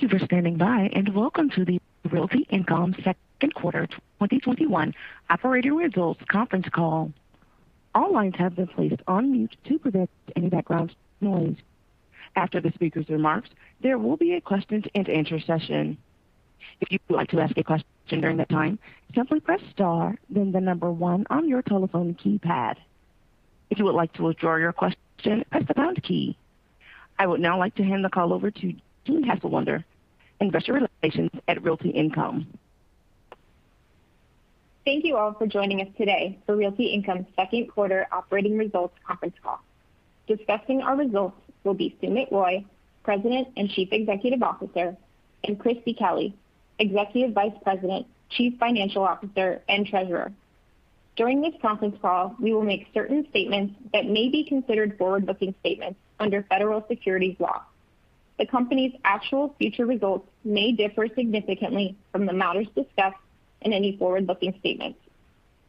Thank you for standing by, and welcome to the Realty Income Second Quarter 2021 Operating Results Conference Call. All lines have been placed on mute to prevent any background noise. After the speakers' remarks, there will be a Q&A session. If you would like to ask a question during that time, please press star, then number one on your telephone keypad. If you would like to withdraw your question, press the pound key. I would now like to hand the call over to Julie Hasselwander, Investor Relations at Realty Income. Thank you all for joining us today for Realty Income Second Quarter Operating Results Conference Call. Discussing our results will be Sumit Roy, President and Chief Executive Officer, and Christie Kelly, Executive Vice President, Chief Financial Officer, and Treasurer. During this conference call, we will make certain statements that may be considered forward-looking statements under federal securities law. The company's actual future results may differ significantly from the matters discussed in any forward-looking statements.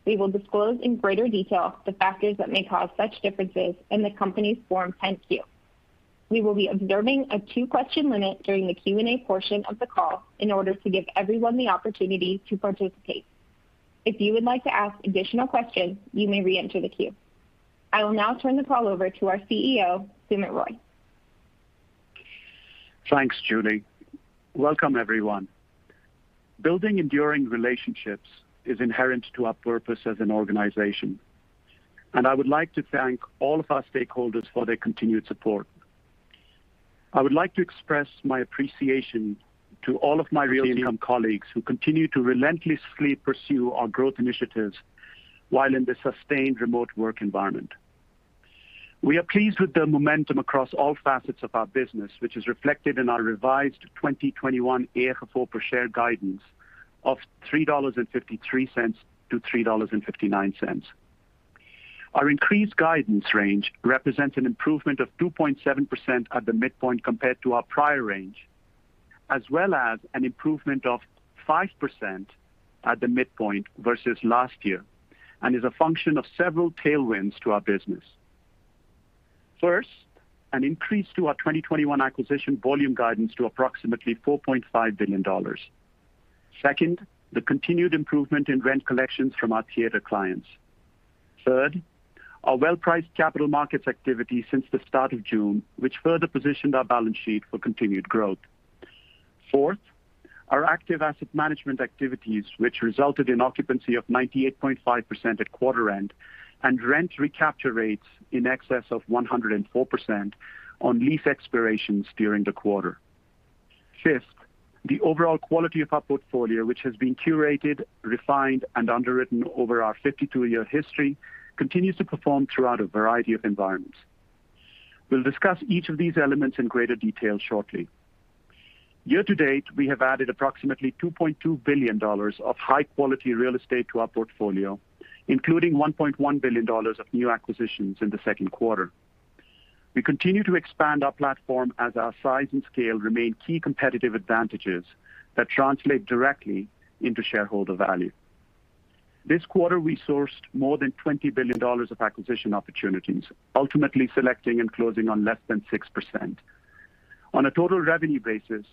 We will disclose in greater detail the factors that may cause such differences in the company's Form 10-Q. We will be observing a two-question limit during the Q&A portion of the call in order to give everyone the opportunity to participate. If you would like to ask additional questions, you may reenter the queue. I will now turn the call over to our CEO, Sumit Roy. Thanks, Julie. Welcome everyone. Building enduring relationships is inherent to our purpose as an organization, and I would like to thank all of our stakeholders for their continued support. I would like to express my appreciation to all of my Realty Income colleagues who continue to relentlessly pursue our growth initiatives while in the sustained remote work environment. We are pleased with the momentum across all facets of our business, which is reflected in our revised 2021 AFFO per share guidance of $3.53-$3.59. Our increased guidance range represents an improvement of 2.7% at the midpoint compared to our prior range, as well as an improvement of 5% at the midpoint versus last year, and is a function of several tailwinds to our business. First, an increase to our 2021 acquisition volume guidance to approximately $4.5 billion. Second, the continued improvement in rent collections from our theater clients. Third, our well-priced capital markets activity since the start of June, which further positioned our balance sheet for continued growth. Fourth, our active asset management activities, which resulted in occupancy of 98.5% at quarter end and rent recapture rates in excess of 104% on lease expirations during the quarter. Fifth, the overall quality of our portfolio, which has been curated, refined, and underwritten over our 52-year history, continues to perform throughout a variety of environments. We'll discuss each of these elements in greater detail shortly. Year to date, we have added approximately $2.2 billion of high-quality real estate to our portfolio, including $1.1 billion of new acquisitions in the second quarter. We continue to expand our platform as our size and scale remain key competitive advantages that translate directly into shareholder value. This quarter, we sourced more than $20 billion of acquisition opportunities, ultimately selecting and closing on less than 6%. On a total revenue basis,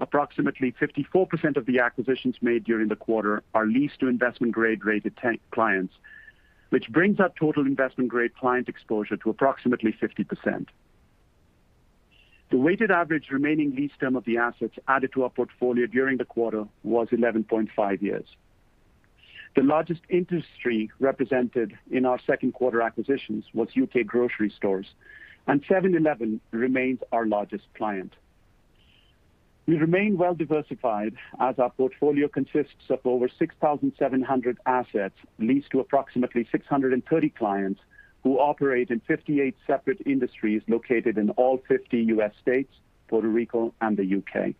approximately 54% of the acquisitions made during the quarter are leased to investment-grade rated clients, which brings our total investment-grade client exposure to approximately 50%. The weighted average remaining lease term of the assets added to our portfolio during the quarter was 11.5 years. The largest industry represented in our second quarter acquisitions was U.K. grocery stores, and 7-Eleven remains our largest client. We remain well-diversified as our portfolio consists of over 6,700 assets leased to approximately 630 clients who operate in 58 separate industries located in all 50 U.S. states, Puerto Rico, and the U.K.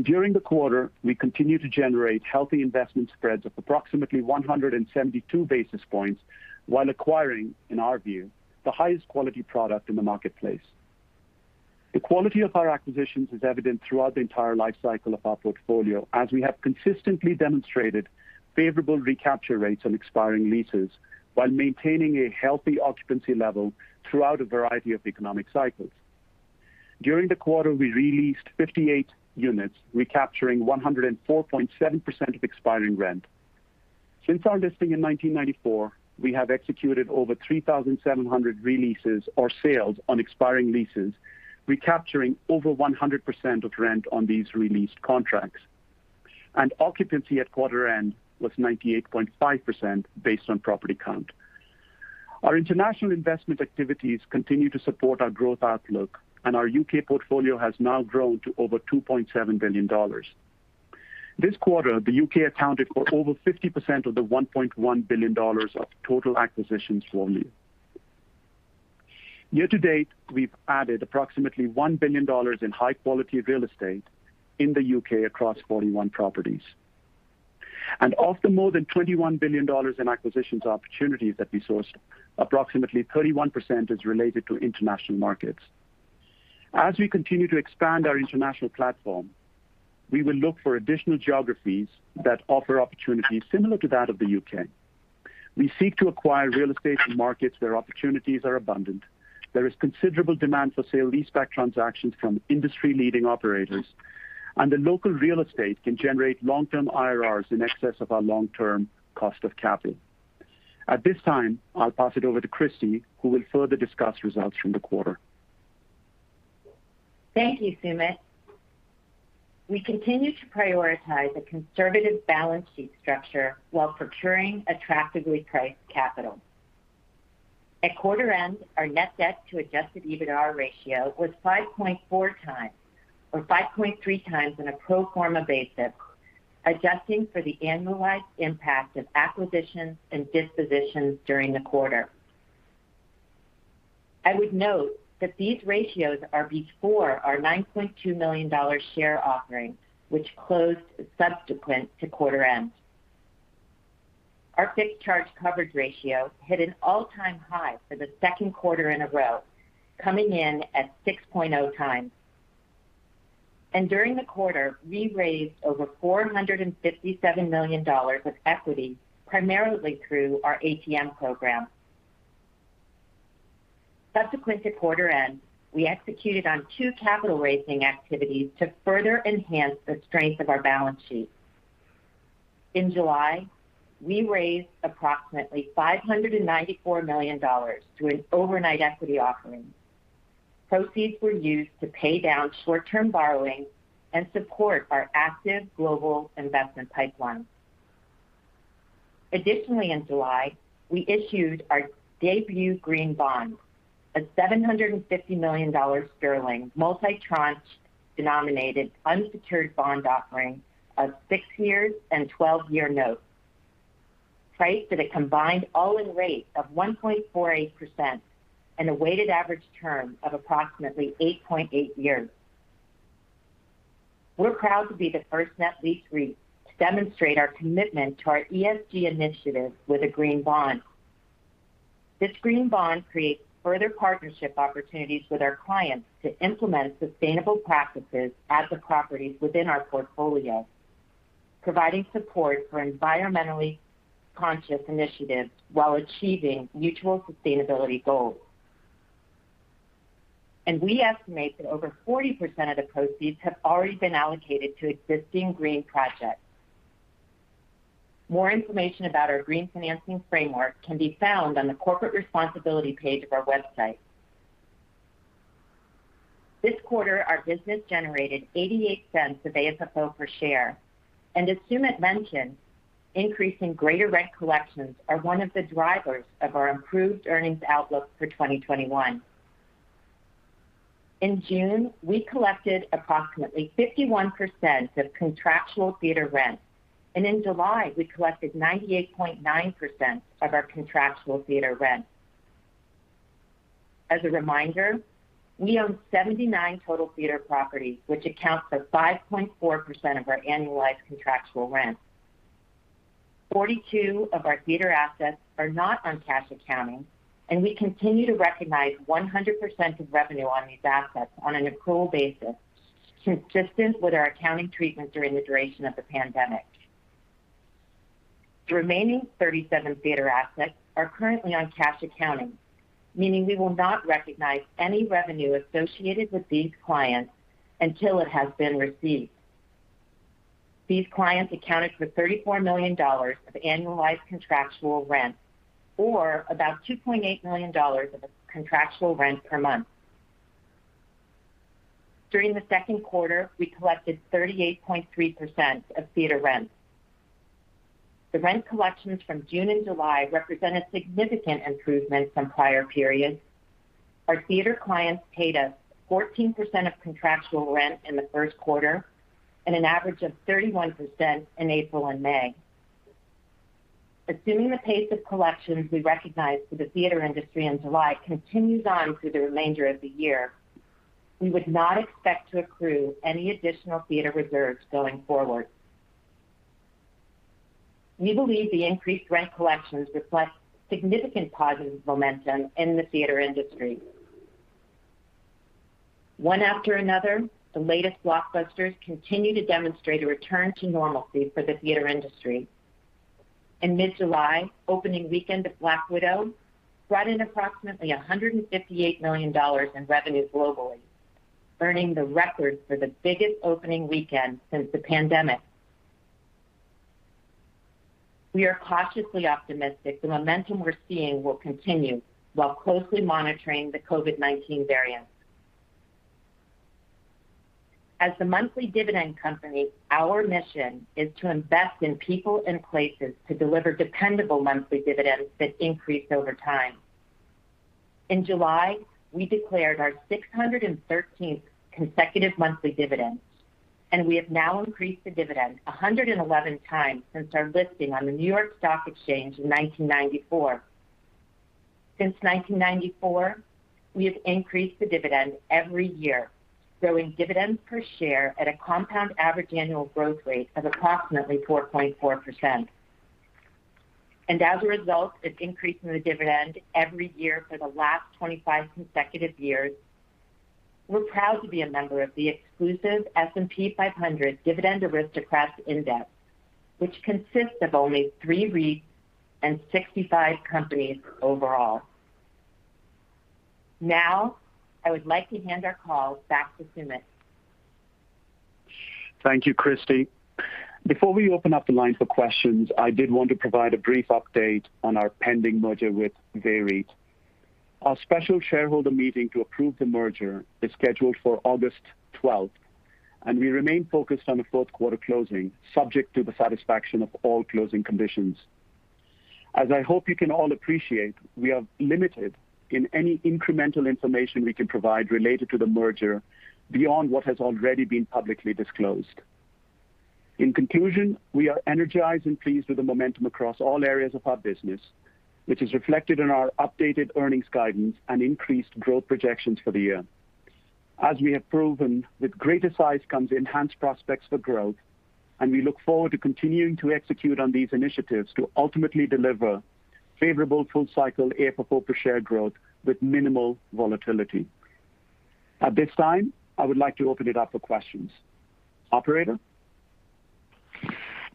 During the quarter, we continued to generate healthy investment spreads of approximately 172 basis points while acquiring, in our view, the highest quality product in the marketplace. The quality of our acquisitions is evident throughout the entire life cycle of our portfolio, as we have consistently demonstrated favorable recapture rates on expiring leases while maintaining a healthy occupancy level throughout a variety of economic cycles. During the quarter, we re-leased 58 units, recapturing 104.7% of expiring rent. Since our listing in 1994, we have executed over 3,700 re-leases or sales on expiring leases, recapturing over 100% of rent on these re-leased contracts. Occupancy at quarter end was 98.5% based on property count. Our international investment activities continue to support our growth outlook, and our U.K. portfolio has now grown to over $2.7 billion. This quarter, the U.K. accounted for over 50% of the $1.1 billion of total acquisitions for the year. Year to date, we've added approximately $1 billion in high-quality real estate in the U.K. across 41 properties. Of the more than $21 billion in acquisitions opportunities that we sourced, approximately 31% is related to international markets. As we continue to expand our international platform, we will look for additional geographies that offer opportunities similar to that of the U.K. We seek to acquire real estate in markets where opportunities are abundant. There is considerable demand for sale-leaseback transactions from industry leading operators. The local real estate can generate long-term IRRs in excess of our long-term cost of capital. At this time, I'll pass it over to Christie, who will further discuss results from the quarter. Thank you, Sumit. We continue to prioritize a conservative balance sheet structure while procuring attractively priced capital. At quarter end, our net debt to adjusted EBITDA ratio was 5.4x, or 5.3x on a pro forma basis, adjusting for the annualized impact of acquisitions and dispositions during the quarter. I would note that these ratios are before our $9.2 million share offering, which closed subsequent to quarter end. Our fixed charge coverage ratio hit an all-time high for the second quarter in a row, coming in at 6.0x. During the quarter, we raised over $457 million of equity, primarily through our ATM program. Subsequent to quarter end, we executed on two capital raising activities to further enhance the strength of our balance sheet. In July, we raised approximately $594 million through an overnight equity offering. Proceeds were used to pay down short-term borrowing and support our active global investment pipeline. In July, we issued our debut green bond, a 750 million sterling multi-tranche denominated unsecured bond offering of six years and 12-year notes, priced at a combined all-in rate of 1.48% and a weighted average term of approximately 8.8 years. We're proud to be the first net lease REIT to demonstrate our commitment to our ESG initiative with a green bond. This green bond creates further partnership opportunities with our clients to implement sustainable practices at the properties within our portfolio, providing support for environmentally conscious initiatives while achieving mutual sustainability goals. We estimate that over 40% of the proceeds have already been allocated to existing green projects. More information about our green financing framework can be found on the corporate responsibility page of our website. This quarter, our business generated $0.88 of AFFO per share. As Sumit mentioned, increase in theater rent collections are one of the drivers of our improved earnings outlook for 2021. In June, we collected approximately 51% of contractual theater rent, and in July, we collected 98.9% of our contractual theater rent. As a reminder, we own 79 total theater properties, which accounts for 5.4% of our annualized contractual rent. 42 of our theater assets are not on cash accounting, and we continue to recognize 100% of revenue on these assets on an accrual basis, consistent with our accounting treatment during the duration of the pandemic. The remaining 37 theater assets are currently on cash accounting, meaning we will not recognize any revenue associated with these clients until it has been received. These clients accounted for $34 million of annualized contractual rent, or about $2.8 million of contractual rent per month. During the second quarter, we collected 38.3% of theater rents. The rent collections from June and July represent a significant improvement from prior periods. Our theater clients paid us 14% of contractual rent in the first quarter and an average of 31% in April and May. Assuming the pace of collections we recognized for the theater industry in July continues on through the remainder of the year, we would not expect to accrue any additional theater reserves going forward. We believe the increased rent collections reflect significant positive momentum in the theater industry. One after another, the latest blockbusters continue to demonstrate a return to normalcy for the theater industry. In mid-July, opening weekend of Black Widow brought in approximately $158 million in revenue globally, earning the record for the biggest opening weekend since the pandemic. We are cautiously optimistic the momentum we're seeing will continue while closely monitoring the COVID-19 variants. As a monthly dividend company, our mission is to invest in people and places to deliver dependable monthly dividends that increase over time. In July, we declared our 613th consecutive monthly dividend, and we have now increased the dividend 111 times since our listing on the New York Stock Exchange in 1994. Since 1994, we have increased the dividend every year, growing dividends per share at a compound average annual growth rate of approximately 4.4%. As a result of increasing the dividend every year for the last 25 consecutive years, we're proud to be a member of the exclusive S&P 500 Dividend Aristocrats Index, which consists of only three REITs and 65 companies overall. I would like to hand our call back to Sumit. Thank you, Christie. Before we open up the line for questions, I did want to provide a brief update on our pending merger with VEREIT. Our special shareholder meeting to approve the merger is scheduled for August 12th, and we remain focused on a fourth quarter closing, subject to the satisfaction of all closing conditions. As I hope you can all appreciate, we are limited in any incremental information we can provide related to the merger beyond what has already been publicly disclosed. In conclusion, we are energized and pleased with the momentum across all areas of our business, which is reflected in our updated earnings guidance and increased growth projections for the year. As we have proven, with greater size comes enhanced prospects for growth, and we look forward to continuing to execute on these initiatives to ultimately deliver favorable full-cycle AFFO per share growth with minimal volatility. At this time, I would like to open it up for questions. Operator?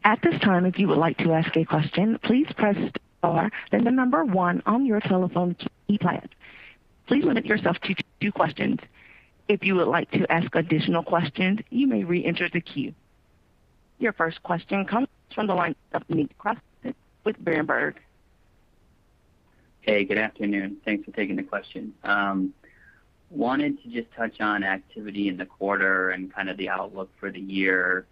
At this time, if you would like to ask a question, please press star, then one on your telephone key keypad. Please limit yourself to two questions. If you would like to ask additional questions, you may re-enter the queue. Your first question comes from the line of Nate Crossett with Berenberg. Hey. Good afternoon. Thanks for taking the question. Wanted to just touch on activity in the quarter and kind of the outlook for the year.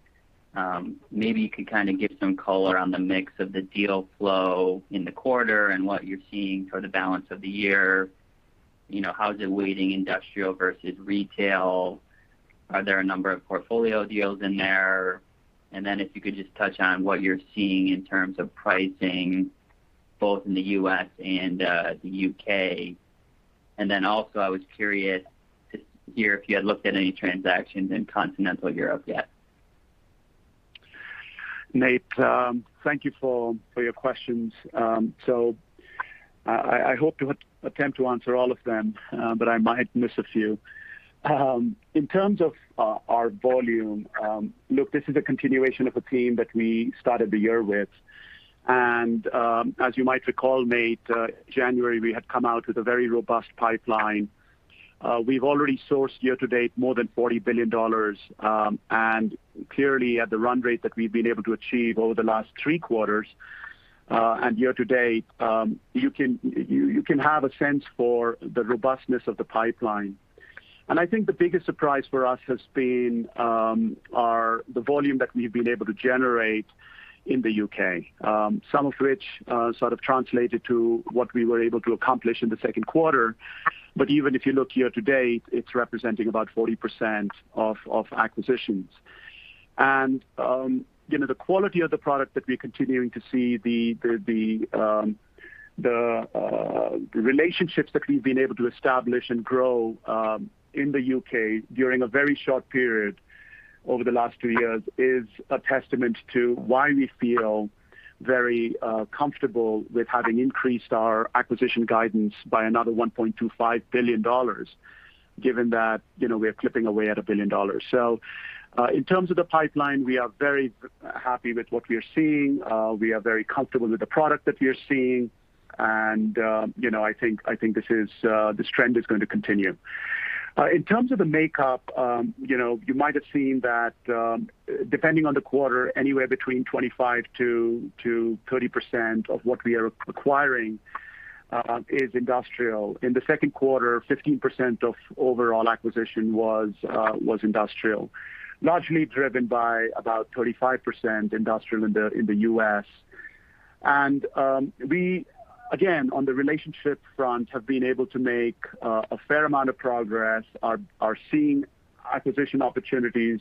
Maybe you could kind of give some color on the mix of the deal flow in the quarter and what you're seeing for the balance of the year. How's it weighting industrial versus retail? Are there a number of portfolio deals in there? If you could just touch on what you're seeing in terms of pricing, both in the U.S. and the U.K. Also, I was curious to hear if you had looked at any transactions in continental Europe yet. Nate, thank you for your questions. I hope to attempt to answer all of them, but I might miss a few. In terms of our volume, look, this is a continuation of a theme that we started the year with. As you might recall, Nate, January, we had come out with a very robust pipeline. We've already sourced year to date more than $40 billion, clearly at the run rate that we've been able to achieve over the last three quarters, year to date, you can have a sense for the robustness of the pipeline. I think the biggest surprise for us has been the volume that we've been able to generate in the U.K., some of which sort of translated to what we were able to accomplish in the second quarter. Even if you look year to date, it's representing about 40% of acquisitions. The quality of the product that we're continuing to see, the relationships that we've been able to establish and grow in the U.K. during a very short period over the last two years is a testament to why we feel very comfortable with having increased our acquisition guidance by another $1.25 billion, given that we are clipping away at $1 billion. In terms of the pipeline, we are very happy with what we are seeing. We are very comfortable with the product that we are seeing, and I think this trend is going to continue. In terms of the makeup, you might have seen that, depending on the quarter, anywhere between 25%-30% of what we are acquiring is industrial. In the second quarter, 15% of overall acquisition was industrial, largely driven by about 35% industrial in the U.S. We, again, on the relationship front, have been able to make a fair amount of progress, are seeing acquisition opportunities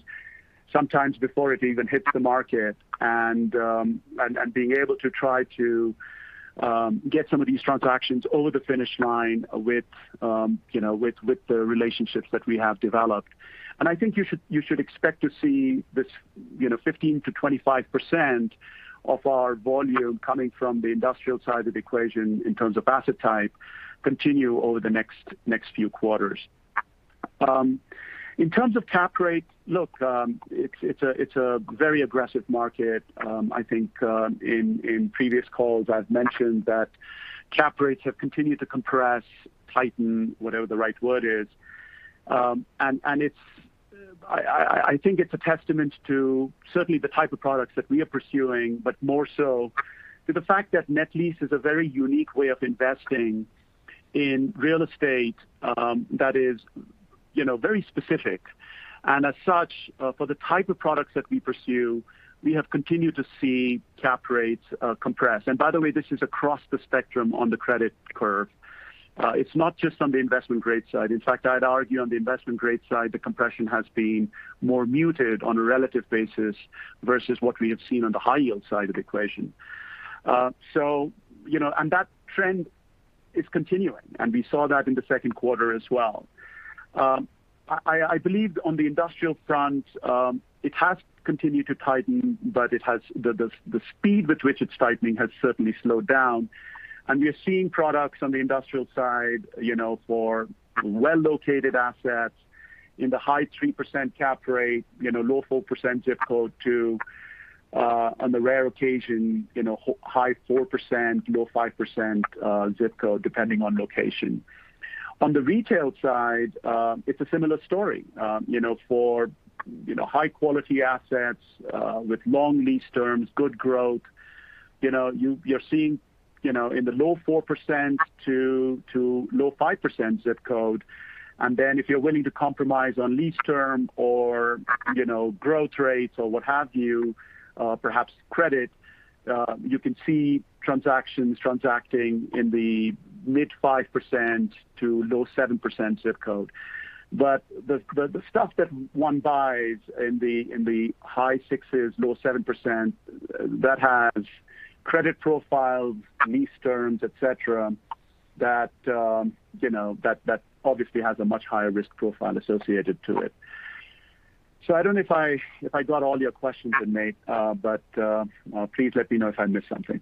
sometimes before it even hits the market, and being able to try to get some of these transactions over the finish line with the relationships that we have developed. I think you should expect to see this 15%-25% of our volume coming from the industrial side of the equation in terms of asset type continue over the next few quarters. In terms of cap rates, look, it's a very aggressive market. I think in previous calls I've mentioned that cap rates have continued to compress, tighten, whatever the right word is. I think it's a testament to certainly the type of products that we are pursuing, but more so to the fact that net lease is a very unique way of investing in real estate that is very specific. As such, for the type of products that we pursue, we have continued to see cap rates compress. By the way, this is across the spectrum on the credit curve. It's not just on the investment grade side. In fact, I'd argue on the investment grade side, the compression has been more muted on a relative basis versus what we have seen on the high yield side of the equation. That trend is continuing, and we saw that in the second quarter as well. I believe on the industrial front, it has continued to tighten, but the speed with which it's tightening has certainly slowed down. We are seeing products on the industrial side for well-located assets in the high 3% cap rate, low 4% ZIP code to, on the rare occasion, high 4%, low 5% ZIP code, depending on location. On the retail side, it's a similar story. For high-quality assets with long lease terms, good growth, you're seeing in the low 4% to low 5% ZIP code. If you're willing to compromise on lease term or growth rates or what have you, perhaps credit, you can see transactions transacting in the mid 5% to low 7% ZIP code. The stuff that one buys in the high 6s, low 7%, that has credit profiles, lease terms, et cetera, that obviously has a much higher risk profile associated to it. I don't know if I got all your questions in, Nate, but please let me know if I missed something.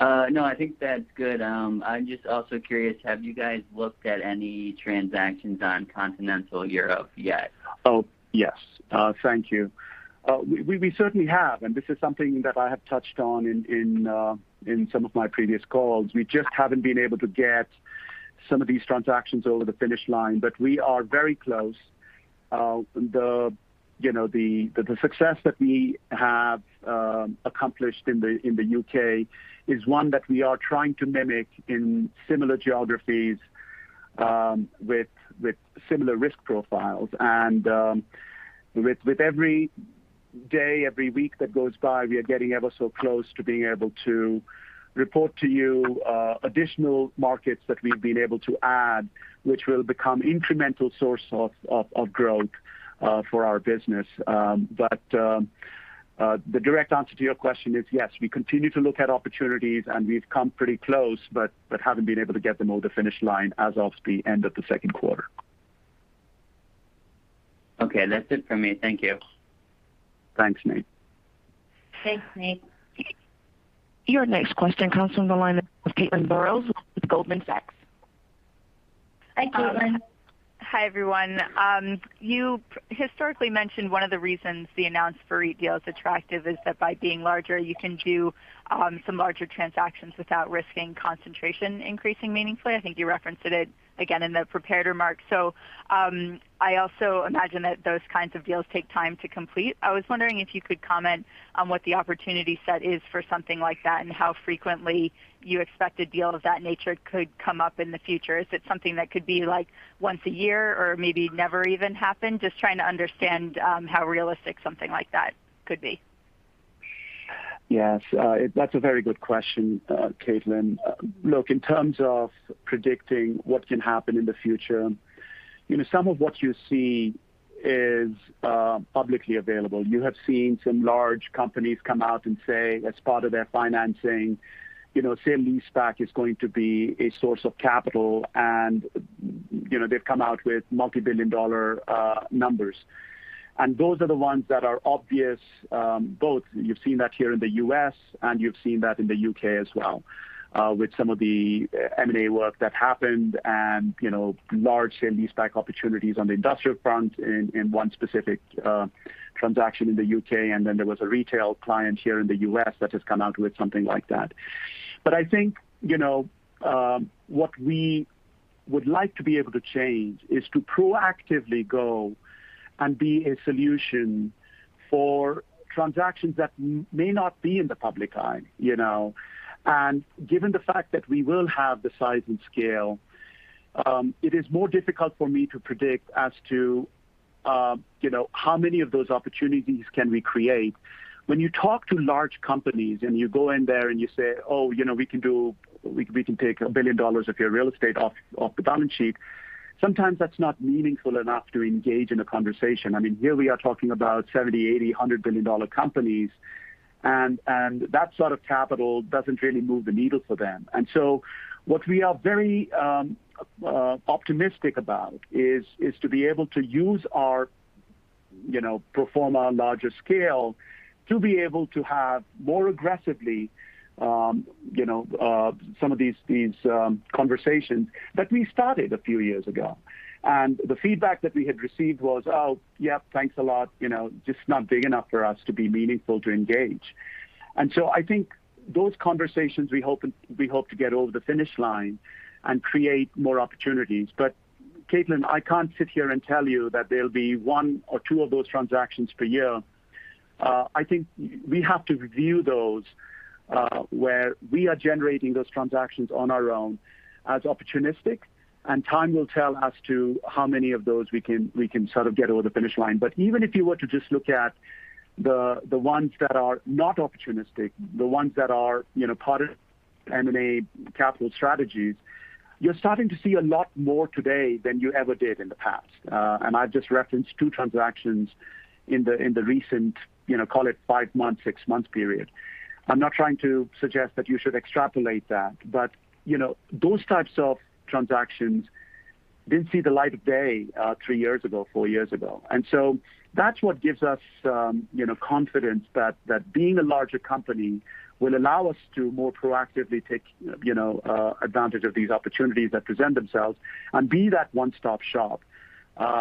No, I think that's good. I'm just also curious, have you guys looked at any transactions on Continental Europe yet? Yes. Thank you. We certainly have, and this is something that I have touched on in some of my previous calls. We just haven't been able to get some of these transactions over the finish line. We are very close. The success that we have accomplished in the U.K. is one that we are trying to mimic in similar geographies with similar risk profiles. With every day, every week that goes by, we are getting ever so close to being able to report to you additional markets that we've been able to add, which will become incremental source of growth for our business. The direct answer to your question is yes, we continue to look at opportunities, and we've come pretty close, but haven't been able to get them over the finish line as of the end of the second quarter. Okay. That's it from me. Thank you. Thanks, Nate. Thanks, Nate. Your next question comes from the line of Caitlin Burrows with Goldman Sachs. Hi, Caitlin. Hi, everyone. You historically mentioned one of the reasons the announced VEREIT deal is attractive is that by being larger, you can do some larger transactions without risking concentration increasing meaningfully. I think you referenced it again in the prepared remarks. I also imagine that those kinds of deals take time to complete. I was wondering if you could comment on what the opportunity set is for something like that, and how frequently you expect a deal of that nature could come up in the future. Is it something that could be once a year or maybe never even happen? Just trying to understand how realistic something like that could be. Yes. That's a very good question, Caitlin. Look, in terms of predicting what can happen in the future, some of what you see is publicly available. You have seen some large companies come out and say, as part of their financing, sale-leaseback is going to be a source of capital, and they've come out with multi-billion dollar numbers. Those are the ones that are obvious. Both, you've seen that here in the U.S., and you've seen that in the U.K. as well with some of the M&A work that happened and large sale-leaseback opportunities on the industrial front in one specific transaction in the U.K., and then there was a retail client here in the U.S. that has come out with something like that. I think what we would like to be able to change is to proactively go and be a solution for transactions that may not be in the public eye. Given the fact that we will have the size and scale, it is more difficult for me to predict as to how many of those opportunities can we create. When you talk to large companies, and you go in there and you say, "Oh, we can take $1 billion of your real estate off the balance sheet," sometimes that's not meaningful enough to engage in a conversation. Here we are talking about $70 billion, $80 billion, $100 billion companies, and that sort of capital doesn't really move the needle for them. What we are very optimistic about is to be able to use our platform on larger scale to be able to have more aggressively some of these conversations that we started a few years ago. The feedback that we had received was, "Oh, yeah, thanks a lot. Just not big enough for us to be meaningful to engage." I think those conversations we hope to get over the finish line and create more opportunities. Caitlin, I can't sit here and tell you that there'll be one or two of those transactions per year. I think we have to view those where we are generating those transactions on our own as opportunistic, and time will tell as to how many of those we can sort of get over the finish line. Even if you were to just look at the ones that are not opportunistic, the ones that are part of M&A capital strategies, you're starting to see a lot more today than you ever did in the past. I've just referenced two transactions in the recent, call it five months, six months period. I'm not trying to suggest that you should extrapolate that, but those types of transactions didn't see the light of day three years ago, four years ago. That's what gives us confidence that being a larger company will allow us to more proactively take advantage of these opportunities that present themselves and be that one-stop shop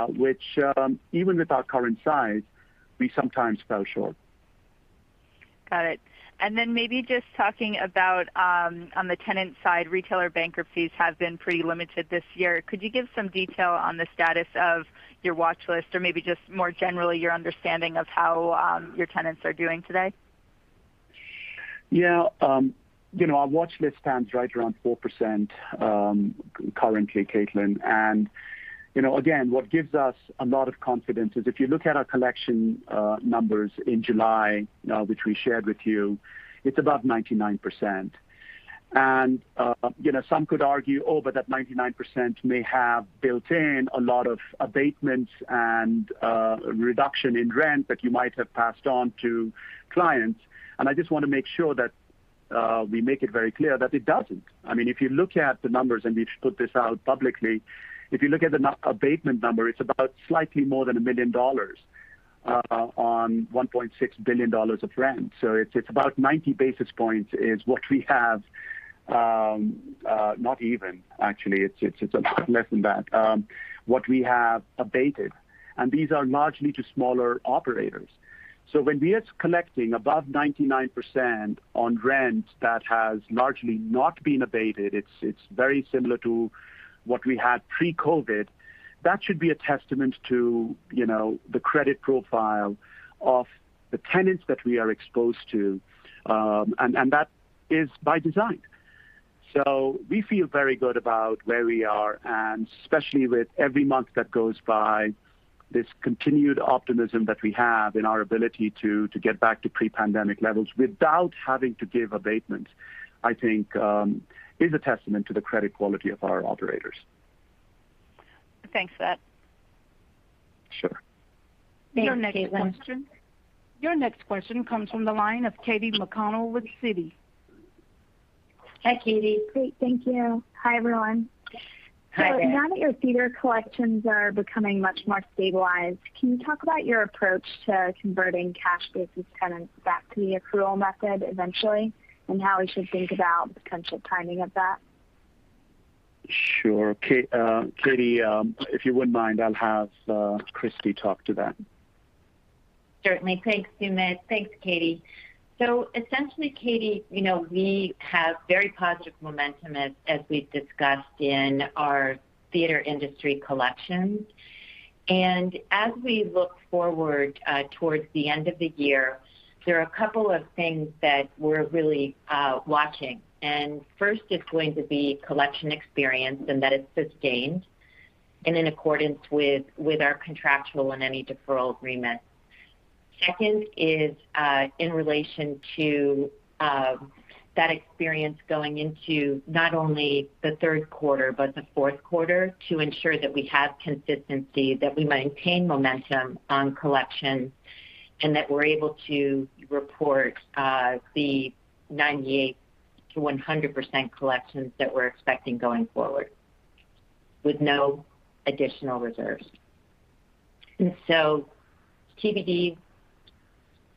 which even with our current size, we sometimes fell short. Got it. Maybe just talking about on the tenant side, retailer bankruptcies have been pretty limited this year. Could you give some detail on the status of your watchlist, or maybe just more generally, your understanding of how your tenants are doing today? Our watchlist stands right around 4% currently, Caitlin. Again, what gives us a lot of confidence is if you look at our collection numbers in July, which we shared with you, it's above 99%. Some could argue, that 99% may have built in a lot of abatements and reduction in rent that you might have passed on to clients. I just want to make sure that we make it very clear that it doesn't. If you look at the numbers, and we've put this out publicly, if you look at the abatement number, it's about slightly more than $1 million on $1.6 billion of rent. It's about 90 basis points. Not even, actually. It's a lot less than that, what we have abated, and these are largely to smaller operators. When we are collecting above 99% on rent that has largely not been abated, it's very similar to what we had pre-COVID. That should be a testament to the credit profile of the tenants that we are exposed to, and that is by design. We feel very good about where we are, and especially with every month that goes by, this continued optimism that we have in our ability to get back to pre-pandemic levels without having to give abatements, I think is a testament to the credit quality of our operators. Thanks for that. Sure. Thanks, Caitlin. Your next question comes from the line of Katy McConnell with Citi. Hi, Katy. Great. Thank you. Hi, everyone. Hi there. Now that your theater collections are becoming much more stabilized, can you talk about your approach to converting cash basis tenants back to the accrual method eventually, and how we should think about the potential timing of that? Sure. Katy, if you wouldn't mind, I'll have Christie talk to that. Certainly. Thanks, Sumit. Thanks, Katy. Essentially, Katy, we have very positive momentum as we've discussed in our theater industry collections. As we look forward towards the end of the year, there are a couple of things that we're really watching. First, it's going to be collection experience and that it's sustained and in accordance with our contractual and any deferral agreements. Second is in relation to that experience going into not only the third quarter, but the fourth quarter to ensure that we have consistency, that we maintain momentum on collections, and that we're able to report the 98% to 100% collections that we're expecting going forward with no additional reserves. TBD,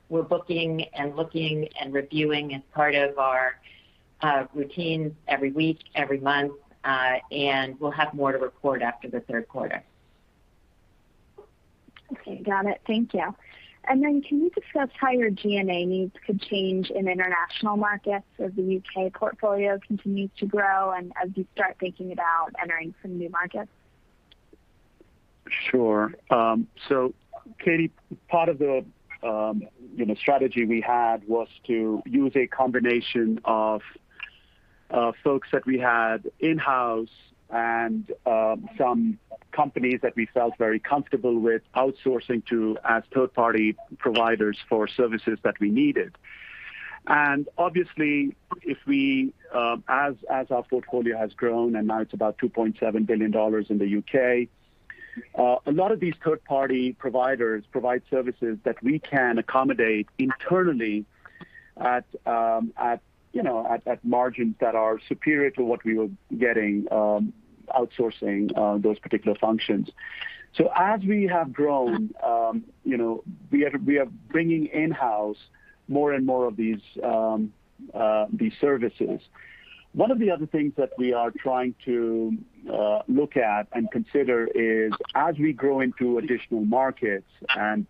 we're booking and looking and reviewing as part of our routines every week, every month, and we'll have more to report after the third quarter. Okay. Got it. Thank you. Can you discuss how your G&A needs could change in international markets as the U.K. portfolio continues to grow and as you start thinking about entering some new markets? Sure. Katy, part of the strategy we had was to use a combination of folks that we had in-house and some companies that we felt very comfortable with outsourcing to as third-party providers for services that we needed. Obviously, as our portfolio has grown, and now it's about $2.7 billion in the U.K., a lot of these third-party providers provide services that we can accommodate internally at margins that are superior to what we were getting outsourcing those particular functions. As we have grown, we are bringing in-house more and more of these services. One of the other things that we are trying to look at and consider is as we grow into additional markets, and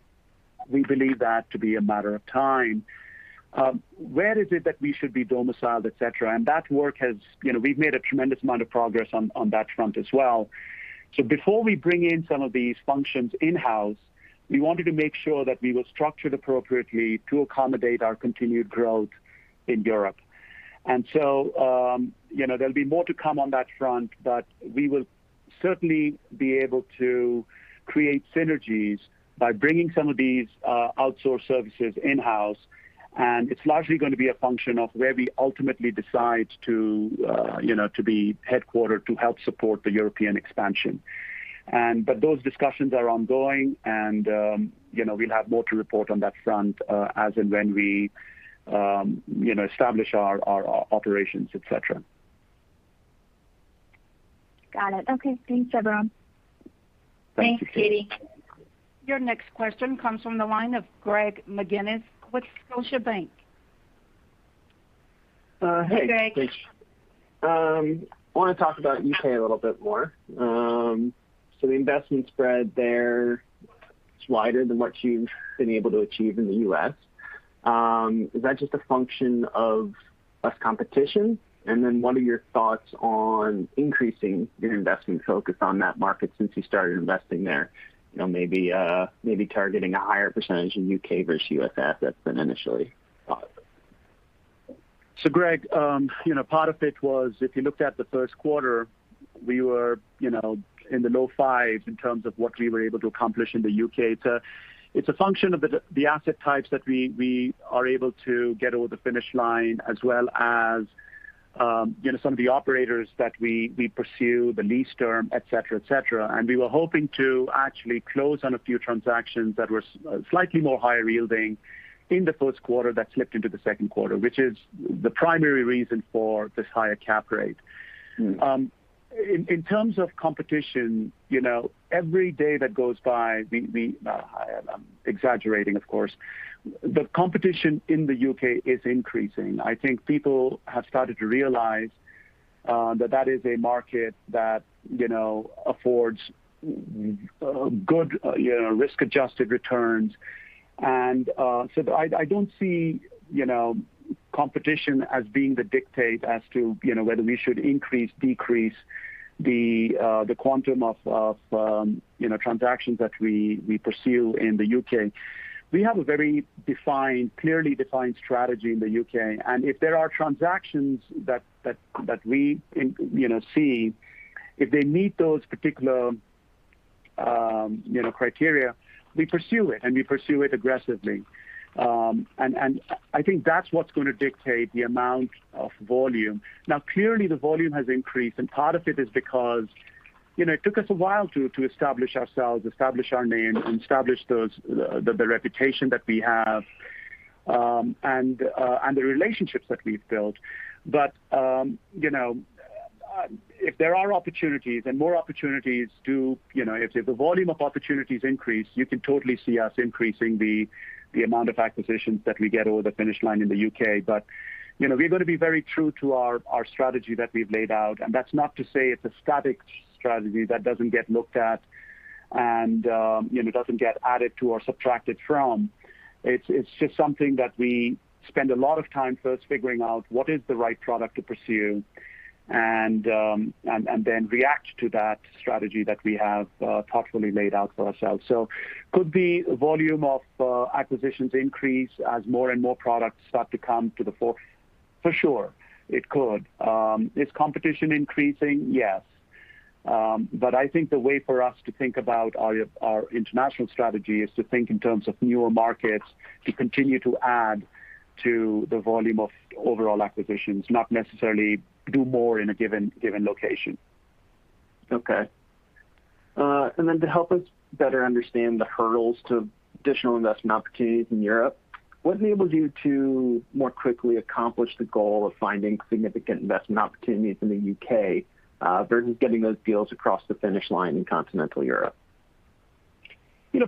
we believe that to be a matter of time, where is it that we should be domiciled, et cetera? We've made a tremendous amount of progress on that front as well. Before we bring in some of these functions in-house, we wanted to make sure that we were structured appropriately to accommodate our continued growth in Europe. There'll be more to come on that front, but we will certainly be able to create synergies by bringing some of these outsourced services in-house, and it's largely going to be a function of where we ultimately decide to be headquartered to help support the European expansion. Those discussions are ongoing and we'll have more to report on that front as and when we establish our operations, et cetera. Got it. Okay. Thanks, everyone. Thanks, Katy. Your next question comes from the line of Greg McGinniss with Scotiabank. Hey, Greg. Thanks. I want to talk about U.K. a little bit more. The investment spread there is wider than what you've been able to achieve in the U.S. Is that just a function of less competition? What are your thoughts on increasing your investment focus on that market since you started investing there? Maybe targeting a higher percentage in U.K. versus U.S. assets than initially thought of. Greg, part of it was, if you looked at the first quarter, we were in the low 5s in terms of what we were able to accomplish in the U.K. It's a function of the asset types that we are able to get over the finish line, as well as some of the operators that we pursue, the lease term, et cetera. We were hoping to actually close on a few transactions that were slightly more higher yielding in the first quarter that slipped into the second quarter, which is the primary reason for this higher cap rate. In terms of competition, every day that goes by, I'm exaggerating of course, but competition in the U.K. is increasing. I think people have started to realize that that is a market that affords good risk-adjusted returns. I don't see competition as being the dictate as to whether we should increase, decrease the quantum of transactions that we pursue in the U.K. We have a very clearly defined strategy in the U.K. If there are transactions that we see, if they meet those particular criteria, we pursue it, and we pursue it aggressively. I think that's what's going to dictate the amount of volume. Now, clearly the volume has increased, and part of it is because it took us a while to establish ourselves, establish our name, and establish the reputation that we have, and the relationships that we've built. If there are opportunities, and if the volume of opportunities increase, you can totally see us increasing the amount of acquisitions that we get over the finish line in the U.K. We're going to be very true to our strategy that we've laid out. That's not to say it's a static strategy that doesn't get looked at and doesn't get added to or subtracted from. It's just something that we spend a lot of time first figuring out what is the right product to pursue, and then react to that strategy that we have thoughtfully laid out for ourselves. Could the volume of acquisitions increase as more and more products start to come to the fore? For sure, it could. Is competition increasing? Yes. I think the way for us to think about our international strategy is to think in terms of newer markets, to continue to add to the volume of overall acquisitions, not necessarily do more in a given location. Okay. To help us better understand the hurdles to additional investment opportunities in Europe, what enabled you to more quickly accomplish the goal of finding significant investment opportunities in the U.K., versus getting those deals across the finish line in continental Europe?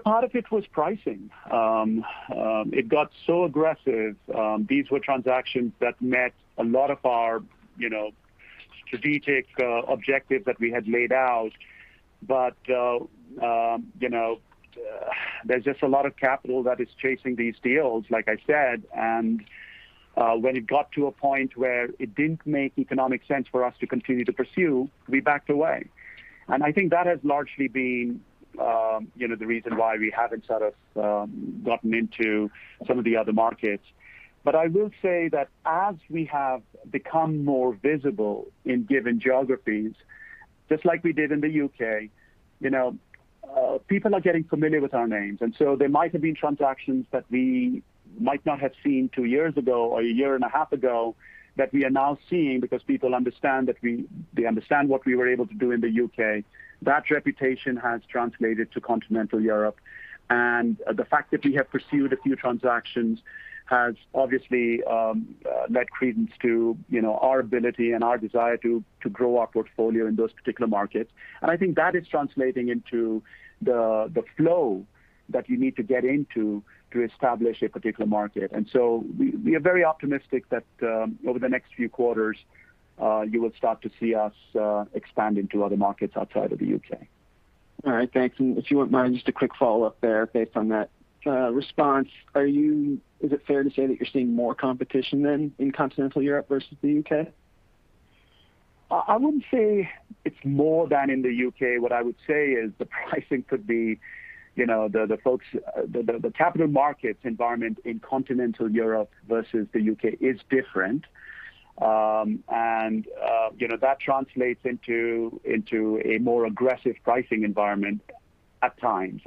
Part of it was pricing. It got so aggressive. These were transactions that met a lot of our strategic objectives that we had laid out. There's just a lot of capital that is chasing these deals, like I said. When it got to a point where it didn't make economic sense for us to continue to pursue, we backed away. I think that has largely been the reason why we haven't sort of gotten into some of the other markets. I will say that as we have become more visible in given geographies, just like we did in the U.K., people are getting familiar with our names. There might have been transactions that we might not have seen two years ago or a year and a half ago that we are now seeing because people understand what we were able to do in the U.K. That reputation has translated to continental Europe. The fact that we have pursued a few transactions has obviously lent credence to our ability and our desire to grow our portfolio in those particular markets. I think that is translating into the flow that you need to get into to establish a particular market. We are very optimistic that over the next few quarters, you will start to see us expand into other markets outside of the U.K. All right, thanks. If you wouldn't mind, just a quick follow-up there based on that response. Is it fair to say that you're seeing more competition then in continental Europe versus the U.K.? I wouldn't say it's more than in the U.K. What I would say is the pricing could be the capital markets environment in continental Europe versus the U.K. is different. That translates into a more aggressive pricing environment at times.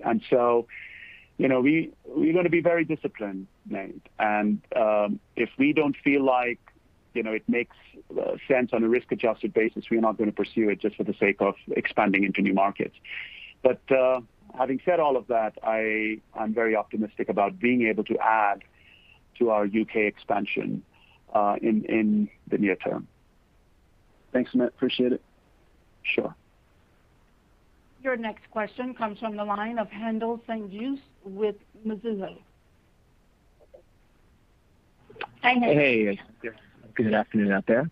We're going to be very disciplined. If we don't feel like it makes sense on a risk-adjusted basis, we're not going to pursue it just for the sake of expanding into new markets. Having said all of that, I'm very optimistic about being able to add to our U.K. expansion in the near term. Thanks, Sumit. Appreciate it. Your next question comes from the line of Haendel St. Juste with Mizuho. Hi, Haendel. Hey. Good afternoon out there.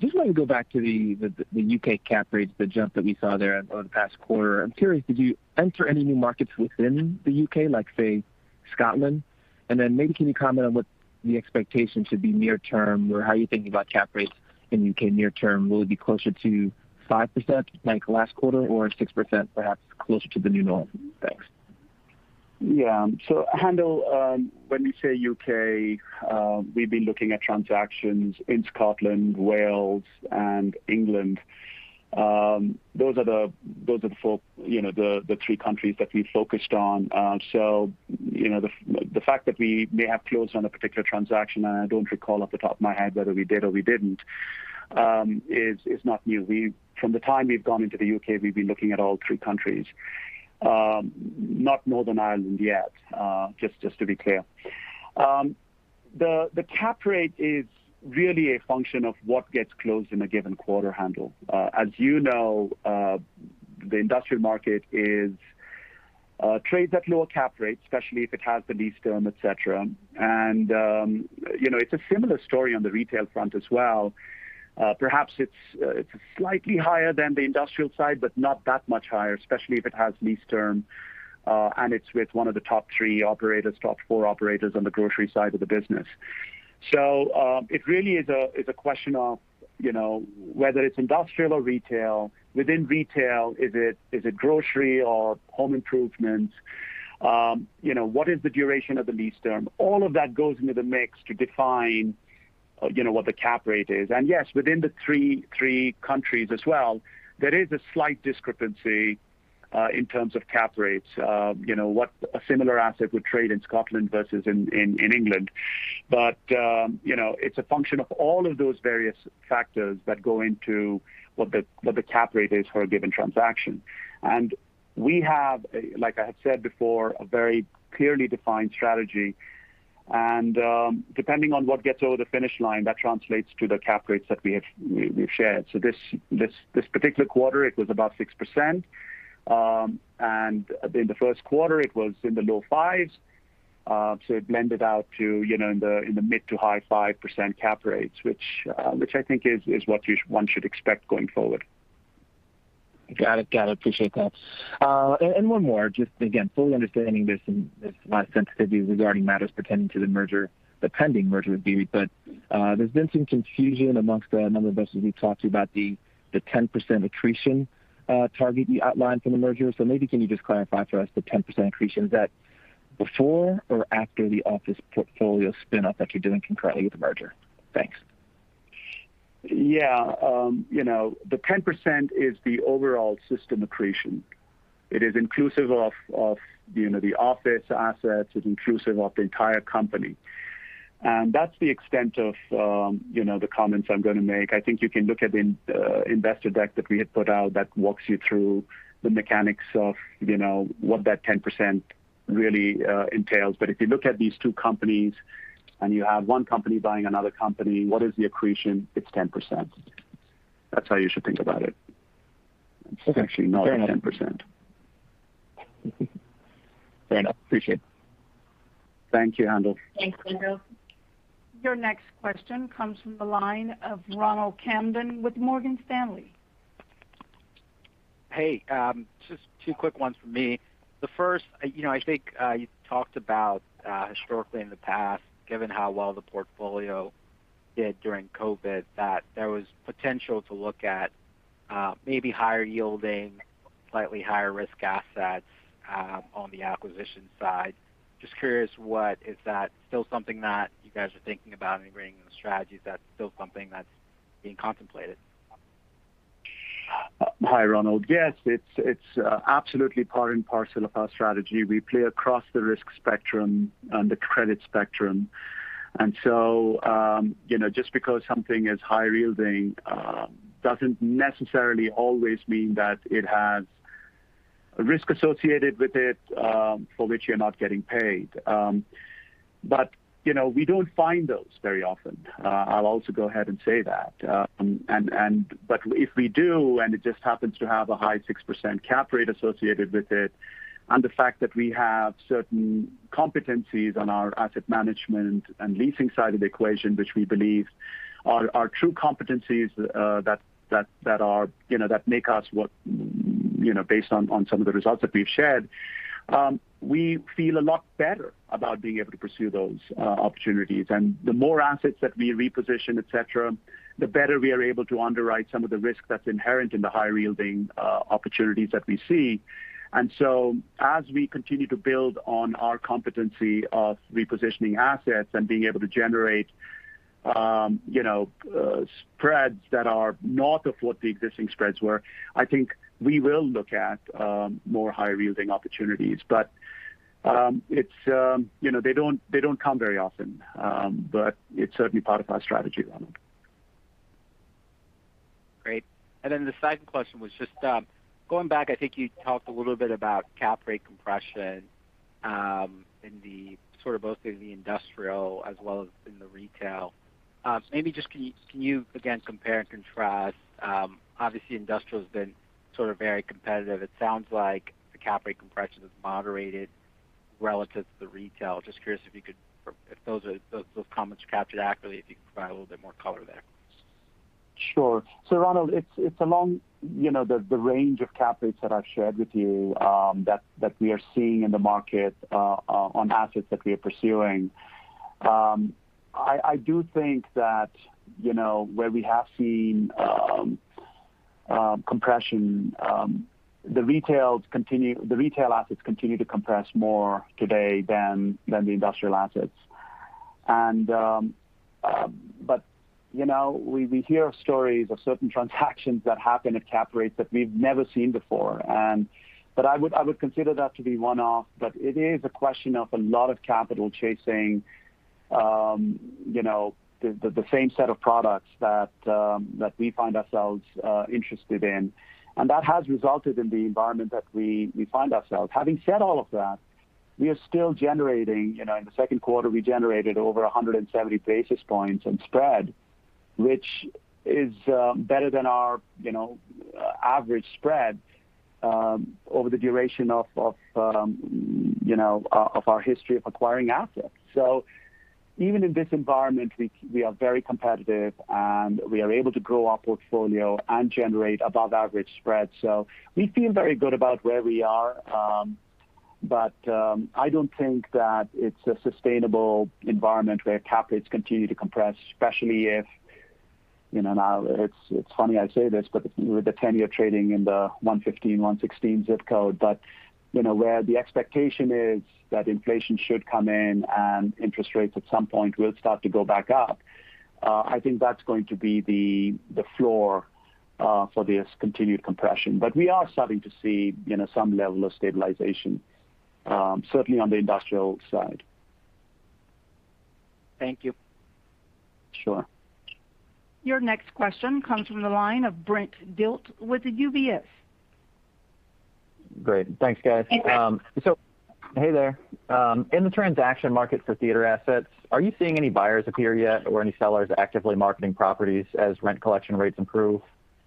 Just wanted to go back to the U.K. cap rates, the jump that we saw there over the past quarter. I'm curious, did you enter any new markets within the U.K., like, say, Scotland? Then maybe can you comment on what the expectation should be near term, or how are you thinking about cap rates in U.K. near term? Will it be closer to 5%, like last quarter, or 6%, perhaps closer to the new normal? Thanks. Yeah. Haendel, when we say U.K., we've been looking at transactions in Scotland, Wales, and England. Those are the three countries that we focused on. The fact that we may have closed on a particular transaction, and I don't recall off the top of my head whether we did or we didn't, is not new. From the time we've gone into the U.K., we've been looking at all three countries. Not Northern Ireland yet, just to be clear. The cap rate is really a function of what gets closed in a given quarter, Haendel. As you know, the industrial market trades at lower cap rates, especially if it has the lease term, et cetera. It's a similar story on the retail front as well. Perhaps it's slightly higher than the industrial side, but not that much higher, especially if it has lease term, and it's with one of the top three operators, top four operators on the grocery side of the business. It really is a question of, whether it's industrial or retail. Within retail, is it grocery or home improvement? What is the duration of the lease term? All of that goes into the mix to define what the cap rate is. Yes, within the three countries as well, there is a slight discrepancy in terms of cap rates. What a similar asset would trade in Scotland versus in England. It's a function of all of those various factors that go into what the cap rate is for a given transaction. We have, like I had said before, a very clearly defined strategy. Depending on what gets over the finish line, that translates to the cap rates that we've shared. This particular quarter, it was about 6%, and in the first quarter, it was in the low fives. It blended out to in the mid to high 5% cap rates, which I think is what one should expect going forward. Got it. Appreciate that. One more. Again, fully understanding there's a lot of sensitivity regarding matters pertaining to the pending merger with VEREIT. There's been some confusion amongst a number of us as we've talked to you about the 10% accretion target you outlined for the merger. Maybe can you just clarify for us the 10% accretion. Is that before or after the office portfolio spin off that you're doing concurrently with the merger? Thanks. The 10% is the overall system accretion. It is inclusive of the office assets. It's inclusive of the entire company. That's the extent of the comments I'm going to make. I think you can look at the investor deck that we had put out that walks you through the mechanics of what that 10% really entails. If you look at these two companies and you have one company buying another company, what is the accretion? It's 10%. That's how you should think about it. Okay. Fair enough. It's actually not 10%. Fair enough. Appreciate it. Thank you, Haendel. Thanks, Haendel. Your next question comes from the line of Ronald Kamdem with Morgan Stanley. Hey. Just two quick ones from me. The first, I think, you talked about, historically in the past, given how well the portfolio did during COVID, that there was potential to look at maybe higher yielding, slightly higher risk assets on the acquisition side. Just curious, is that still something that you guys are thinking about integrating in the strategies? Is that still something that's being contemplated? Hi, Ronald. Yes, it's absolutely part and parcel of our strategy. We play across the risk spectrum and the credit spectrum. Just because something is high yielding, doesn't necessarily always mean that it has a risk associated with it, for which you're not getting paid. We don't find those very often. I'll also go ahead and say that. If we do, and it just happens to have a high 6% cap rate associated with it, and the fact that we have certain competencies on our asset management and leasing side of the equation, which we believe are true competencies, that make us what-- based on some of the results that we've shared. We feel a lot better about being able to pursue those opportunities. The more assets that we reposition, et cetera, the better we are able to underwrite some of the risk that's inherent in the high-yielding opportunities that we see. As we continue to build on our competency of repositioning assets and being able to generate spreads that are north of what the existing spreads were, I think we will look at more high-yielding opportunities. They don't come very often. It's certainly part of our strategy, Ronald. Great. The second question was just, going back, I think you talked a little bit about cap rate compression In both the industrial as well as in the retail. Just can you again compare and contrast? Industrial's been very competitive. It sounds like the cap rate compression has moderated relative to the retail. Just curious if those comments are captured accurately, if you could provide a little bit more color there. Sure. Ronald, it's along the range of cap rates that I've shared with you that we are seeing in the market on assets that we are pursuing. I do think that where we have seen compression, the retail assets continue to compress more today than the industrial assets. We hear stories of certain transactions that happen at cap rates that we've never seen before. I would consider that to be one-off. It is a question of a lot of capital chasing the same set of products that we find ourselves interested in, and that has resulted in the environment that we find ourselves. Having said all of that, in the second quarter, we generated over 170 basis points in spread, which is better than our average spread over the duration of our history of acquiring assets. Even in this environment, we are very competitive, and we are able to grow our portfolio and generate above-average spreads. We feel very good about where we are. I don't think that it's a sustainable environment where cap rates continue to compress, especially if, it's funny I say this, but with the 10-year trading in the 115, 116 zip code. Where the expectation is that inflation should come in and interest rates at some point will start to go back up, I think that's going to be the floor for this continued compression. We are starting to see some level of stabilization, certainly on the industrial side. Thank you. Sure. Your next question comes from the line of Brent Dilts with UBS. Great. Thanks, guys. Hey, Brent. Hey there. In the transaction market for theater assets, are you seeing any buyers appear yet or any sellers actively marketing properties as rent collection rates improve?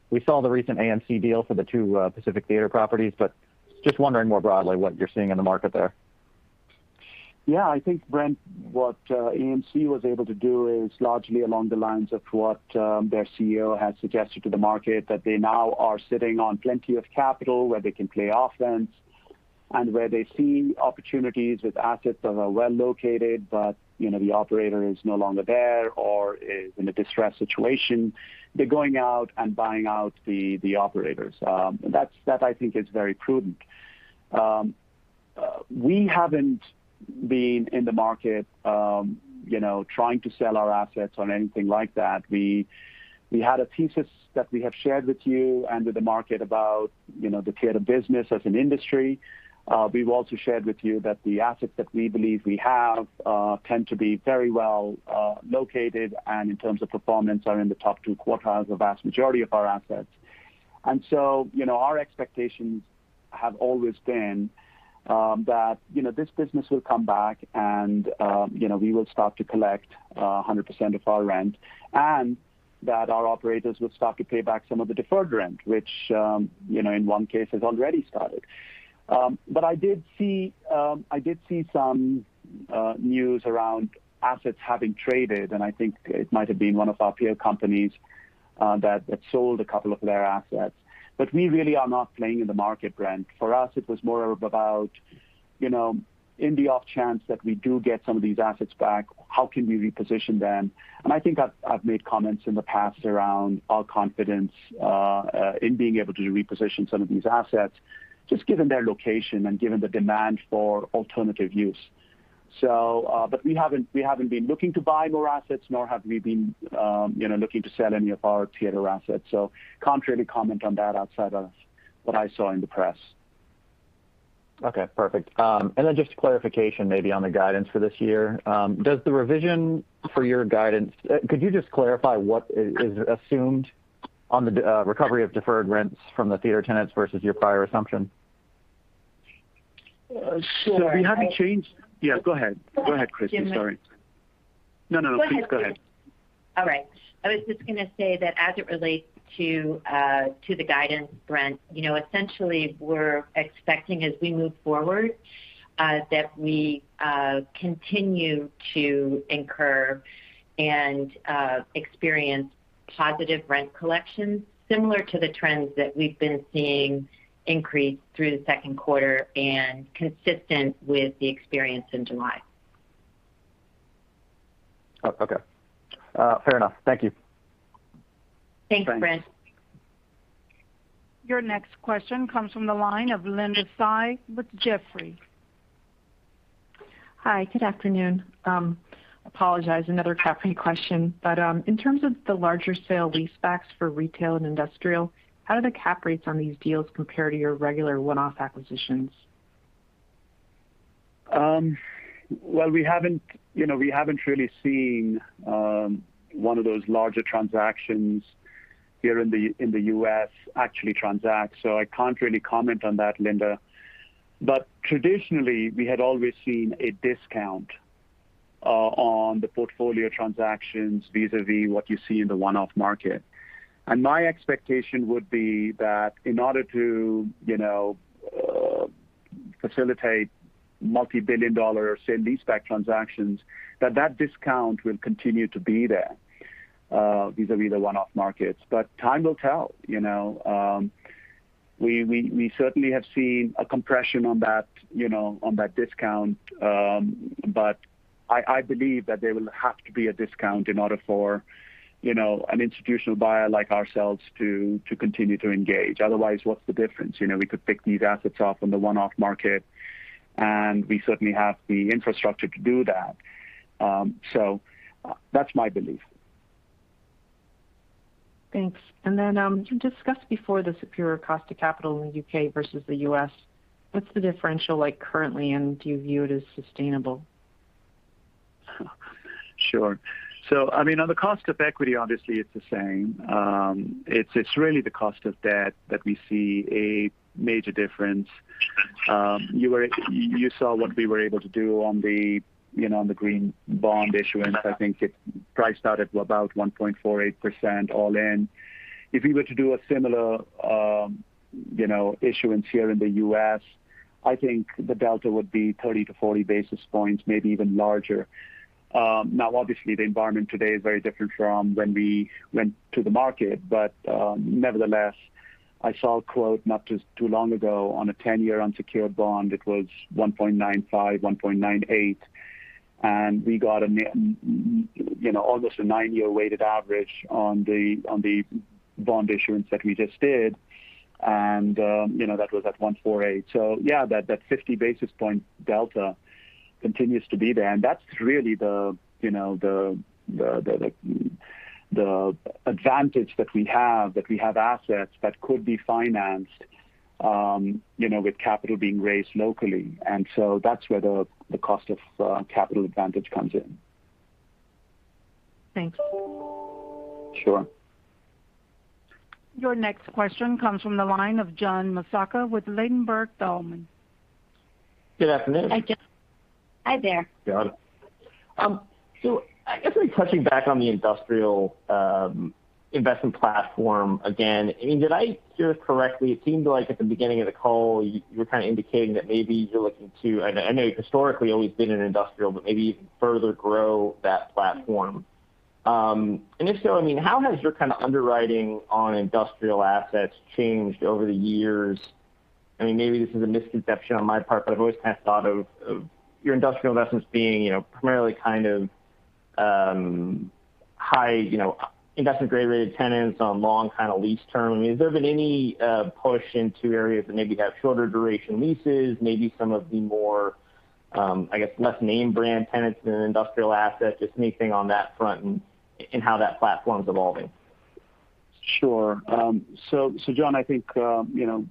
We saw the recent AMC deal for the two Pacific Theatres properties, just wondering more broadly what you're seeing in the market there. Yeah. I think, Brent Dilts, what AMC was able to do is largely along the lines of what their CEO has suggested to the market, that they now are sitting on plenty of capital where they can play offense and where they see opportunities with assets that are well-located but the operator is no longer there or is in a distressed situation. They're going out and buying out the operators. That I think is very prudent. We haven't been in the market trying to sell our assets or anything like that. We had a thesis that we have shared with you and with the market about the theater business as an industry. We've also shared with you that the assets that we believe we have tend to be very well-located and in terms of performance, are in the top two quartiles, a vast majority of our assets. Our expectations have always been that this business will come back and we will start to collect 100% of our rent and that our operators will start to pay back some of the deferred rent, which in one case has already started. I did see some news around assets having traded, and I think it might have been one of our peer companies that sold two of their assets. We really are not playing in the market, Brent. For us, it was more about in the off chance that we do get some of these assets back, how can we reposition them? I think I've made comments in the past around our confidence in being able to reposition some of these assets just given their location and given the demand for alternative use. We haven't been looking to buy more assets, nor have we been looking to sell any of our theater assets. Can't really comment on that outside of what I saw in the press. Okay. Perfect. Just clarification maybe on the guidance for this year. Could you just clarify what is assumed on the recovery of deferred rents from the theater tenants versus your prior assumption? Sure. Yeah, go ahead. Go ahead, Christie. Sorry. Give me- No, please go ahead. Alright. I was just going to say that as it relates to the guidance, Brent, essentially we're expecting as we move forward that we continue to incur and experience positive rent collections similar to the trends that we've been seeing increase through the second quarter and consistent with the experience in July. Oh, okay. Fair enough. Thank you. Thanks, Brent. Thanks. Your next question comes from the line of Linda Tsai with Jefferies. Hi. Good afternoon. Apologize, another cap rate question. In terms of the larger sale-leasebacks for retail and industrial, how do the cap rates on these deals compare to your regular one-off acquisitions? Well, we haven't really seen one of those larger transactions here in the U.S. actually transact. I can't really comment on that, Linda. Traditionally, we had always seen a discount on the portfolio transactions vis-a-vis what you see in the one-off market. My expectation would be that in order to facilitate multi-billion dollar sale-leaseback transactions, that that discount will continue to be there vis-a-vis the one-off markets. Time will tell. We certainly have seen a compression on that discount. I believe that there will have to be a discount in order for an institutional buyer like ourselves to continue to engage. Otherwise, what's the difference? We could pick these assets up on the one-off market, and we certainly have the infrastructure to do that. That's my belief. Thanks. You discussed before the superior cost of capital in the U.K. versus the U.S. What's the differential like currently, and do you view it as sustainable? Sure. On the cost of equity, obviously it's the same. It's really the cost of debt that we see a major difference. You saw what we were able to do on the green bond issuance. I think it priced out at about 1.48% all in. If we were to do a similar issuance here in the U.S., I think the delta would be 30-40 basis points, maybe even larger. Obviously, the environment today is very different from when we went to the market. Nevertheless, I saw a quote not too long ago on a 10-year unsecured bond. It was 1.95%, 1.98%, and we got almost a nine-year weighted average on the bond issuance that we just did. That was at 1.48%. Yeah, that 50 basis point delta continues to be there, and that's really the advantage that we have, that we have assets that could be financed with capital being raised locally. That's where the cost of capital advantage comes in. Thanks. Sure. Your next question comes from the line of John Massocca with Ladenburg Thalmann. Good afternoon. Hi, John. Hi there. Hi, John. I guess touching back on the industrial investment platform again. Did I hear correctly? It seemed like at the beginning of the call, you were kind of indicating that maybe you're looking to I know historically you've always been in industrial, but maybe further grow that platform. If so, how has your kind of underwriting on industrial assets changed over the years? Maybe this is a misconception on my part, but I've always kind of thought of your industrial investments being primarily kind of high investment-grade rated tenants on long lease term. Has there been any push into areas that maybe have shorter duration leases, maybe some of the more less name brand tenants in an industrial asset? Just anything on that front and how that platform's evolving. Sure. John, I think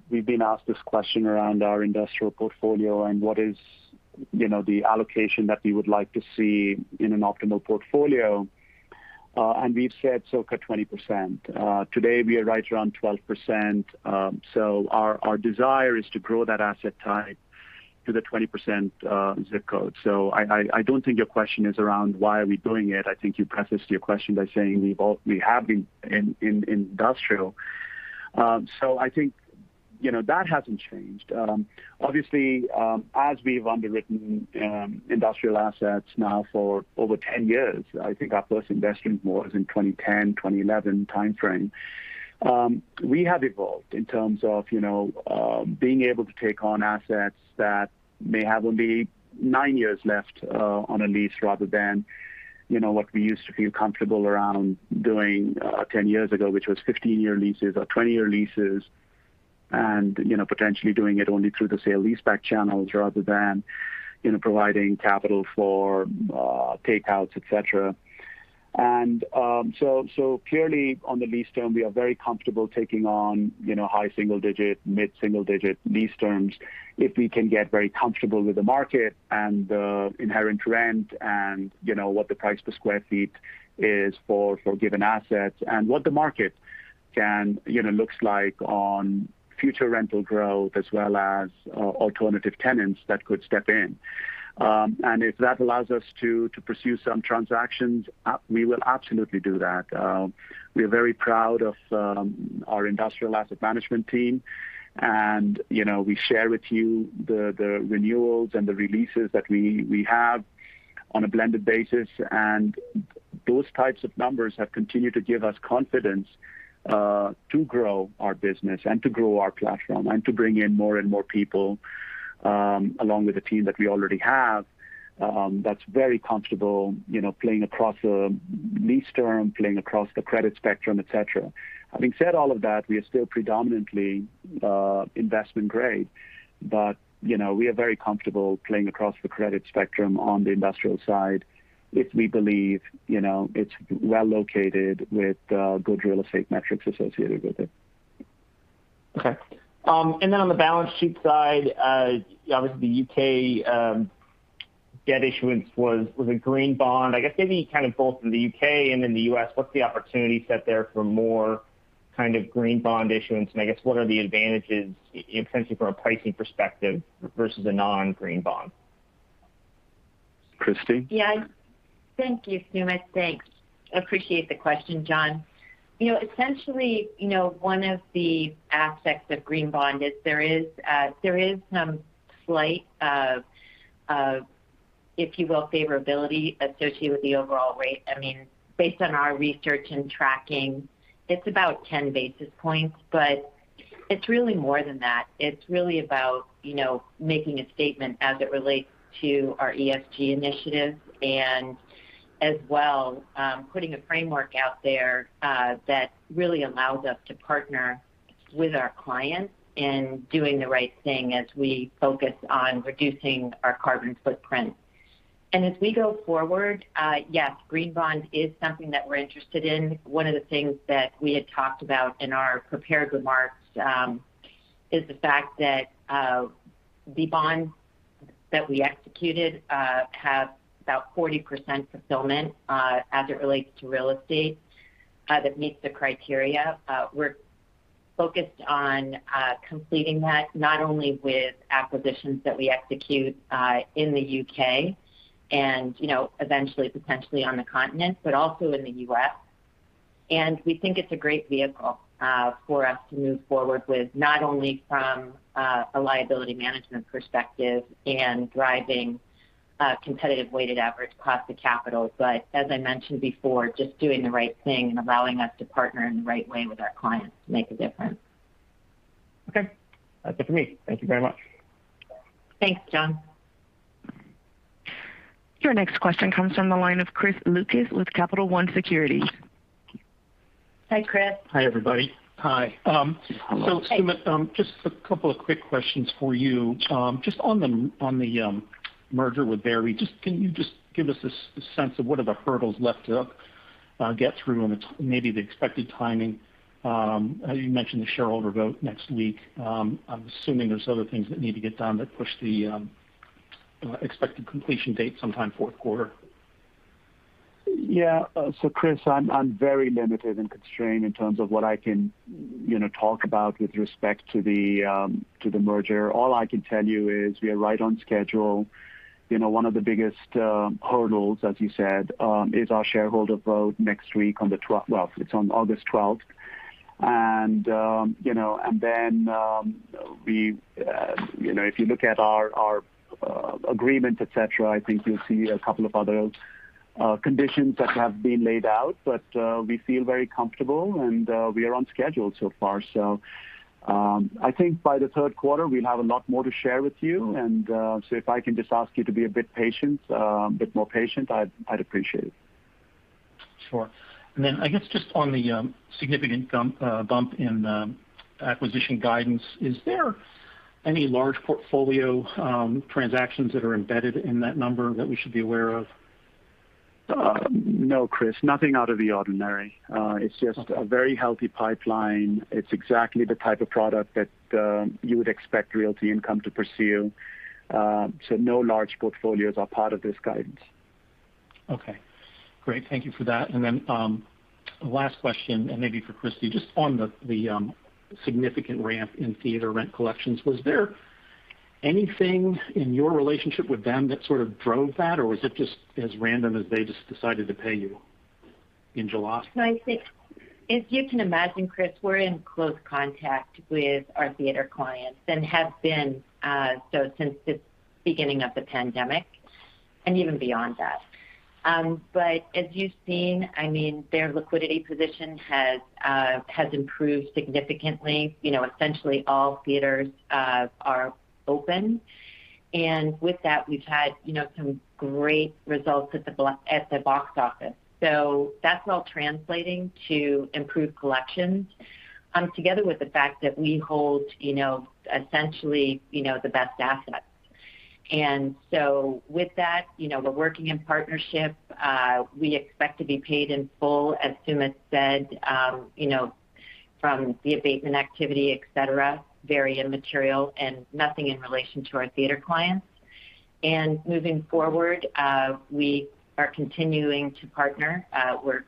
we've been asked this question around our industrial portfolio and what is the allocation that we would like to see in an optimal portfolio. We've said circa 20%. Today, we are right around 12%. Our desire is to grow that asset type to the 20% zip code. I don't think your question is around why are we doing it. I think you prefaced your question by saying we have been in industrial. I think that hasn't changed. Obviously, as we've underwritten industrial assets now for over 10 years, I think our first investment was in 2010, 2011 timeframe. We have evolved in terms of being able to take on assets that may have only nine years left on a lease rather than what we used to feel comfortable around doing 10 years ago, which was 15-year leases or 20-year leases. Potentially doing it only through the sale-leaseback channels rather than providing capital for takeouts, et cetera. Clearly on the lease term, we are very comfortable taking on high single-digit, mid single-digit lease terms if we can get very comfortable with the market and the inherent rent and what the price per square feet is for given assets and what the market looks like on future rental growth as well as alternative tenants that could step in. If that allows us to pursue some transactions, we will absolutely do that. We are very proud of our industrial asset management team, and we share with you the renewals and the releases that we have on a blended basis. Those types of numbers have continued to give us confidence to grow our business and to grow our platform and to bring in more and more people along with the team that we already have that's very comfortable playing across a lease term, playing across the credit spectrum, et cetera. Having said all of that, we are still predominantly investment grade. We are very comfortable playing across the credit spectrum on the industrial side if we believe it's well located with good real estate metrics associated with it. Okay. Then on the balance sheet side, obviously the U.K. debt issuance was a green bond. I guess maybe kind of both in the U.K. and in the U.S., what's the opportunity set there for more kind of green bond issuance? I guess, what are the advantages essentially from a pricing perspective versus a non-green bond? Christie? Yeah. Thank you, Sumit. Thanks. Appreciate the question, John. Essentially, one of the aspects of green bond is there is some slight of, if you will, favorability associated with the overall rate. Based on our research and tracking, it's about 10 basis points, but it's really more than that. It's really about making a statement as it relates to our ESG initiatives and as well, putting a framework out there that really allows us to partner with our clients in doing the right thing as we focus on reducing our carbon footprint. As we go forward, yes, green bond is something that we're interested in. One of the things that we had talked about in our prepared remarks, is the fact that the bonds that we executed have about 40% fulfillment as it relates to real estate that meets the criteria. We're focused on completing that, not only with acquisitions that we execute in the U.K. and eventually potentially on the continent, but also in the U.S. We think it's a great vehicle for us to move forward with, not only from a liability management perspective and driving competitive weighted average cost of capital, but as I mentioned before, just doing the right thing and allowing us to partner in the right way with our clients to make a difference. Okay. That's it for me. Thank you very much. Thanks, John. Your next question comes from the line of Chris Lucas with Capital One Securities. Hi, Chris. Hi, everybody. Hi. Hello. Sumit, just a couple of quick questions for you. Just on the merger with VEREIT, can you just give us a sense of what are the hurdles left to get through and maybe the expected timing? You mentioned the shareholder vote next week. I'm assuming there's other things that need to get done that push the expected completion date sometime fourth quarter. Yeah. Chris, I'm very limited and constrained in terms of what I can talk about with respect to the merger. All I can tell you is we are right on schedule. One of the biggest hurdles, as you said, is our shareholder vote next week on the 12th. Well, it's on August 12th. If you look at our agreement, et cetera, I think you'll see a couple of other conditions that have been laid out. We feel very comfortable, and we are on schedule so far. I think by the third quarter, we'll have a lot more to share with you. If I can just ask you to be a bit more patient, I'd appreciate it. Sure. I guess just on the significant bump in acquisition guidance, is there any large portfolio transactions that are embedded in that number that we should be aware of? No, Chris. Nothing out of the ordinary. It's just a very healthy pipeline. It's exactly the type of product that you would expect Realty Income to pursue. No large portfolios are part of this guidance. Okay. Great. Thank you for that. Last question, maybe for Christie. Just on the significant ramp in theater rent collections, was there anything in your relationship with them that sort of drove that, or was it just as random as they just decided to pay you in July? As you can imagine, Chris, we're in close contact with our theater clients and have been so since the beginning of the pandemic, even beyond that. As you've seen, their liquidity position has improved significantly. Essentially all theaters are open. With that we've had some great results at the box office. That's all translating to improved collections, together with the fact that we hold essentially the best assets. With that, we're working in partnership. We expect to be paid in full, as Sumit said from the abatement activity, et cetera, very immaterial and nothing in relation to our theater clients. Moving forward, we are continuing to partner. We're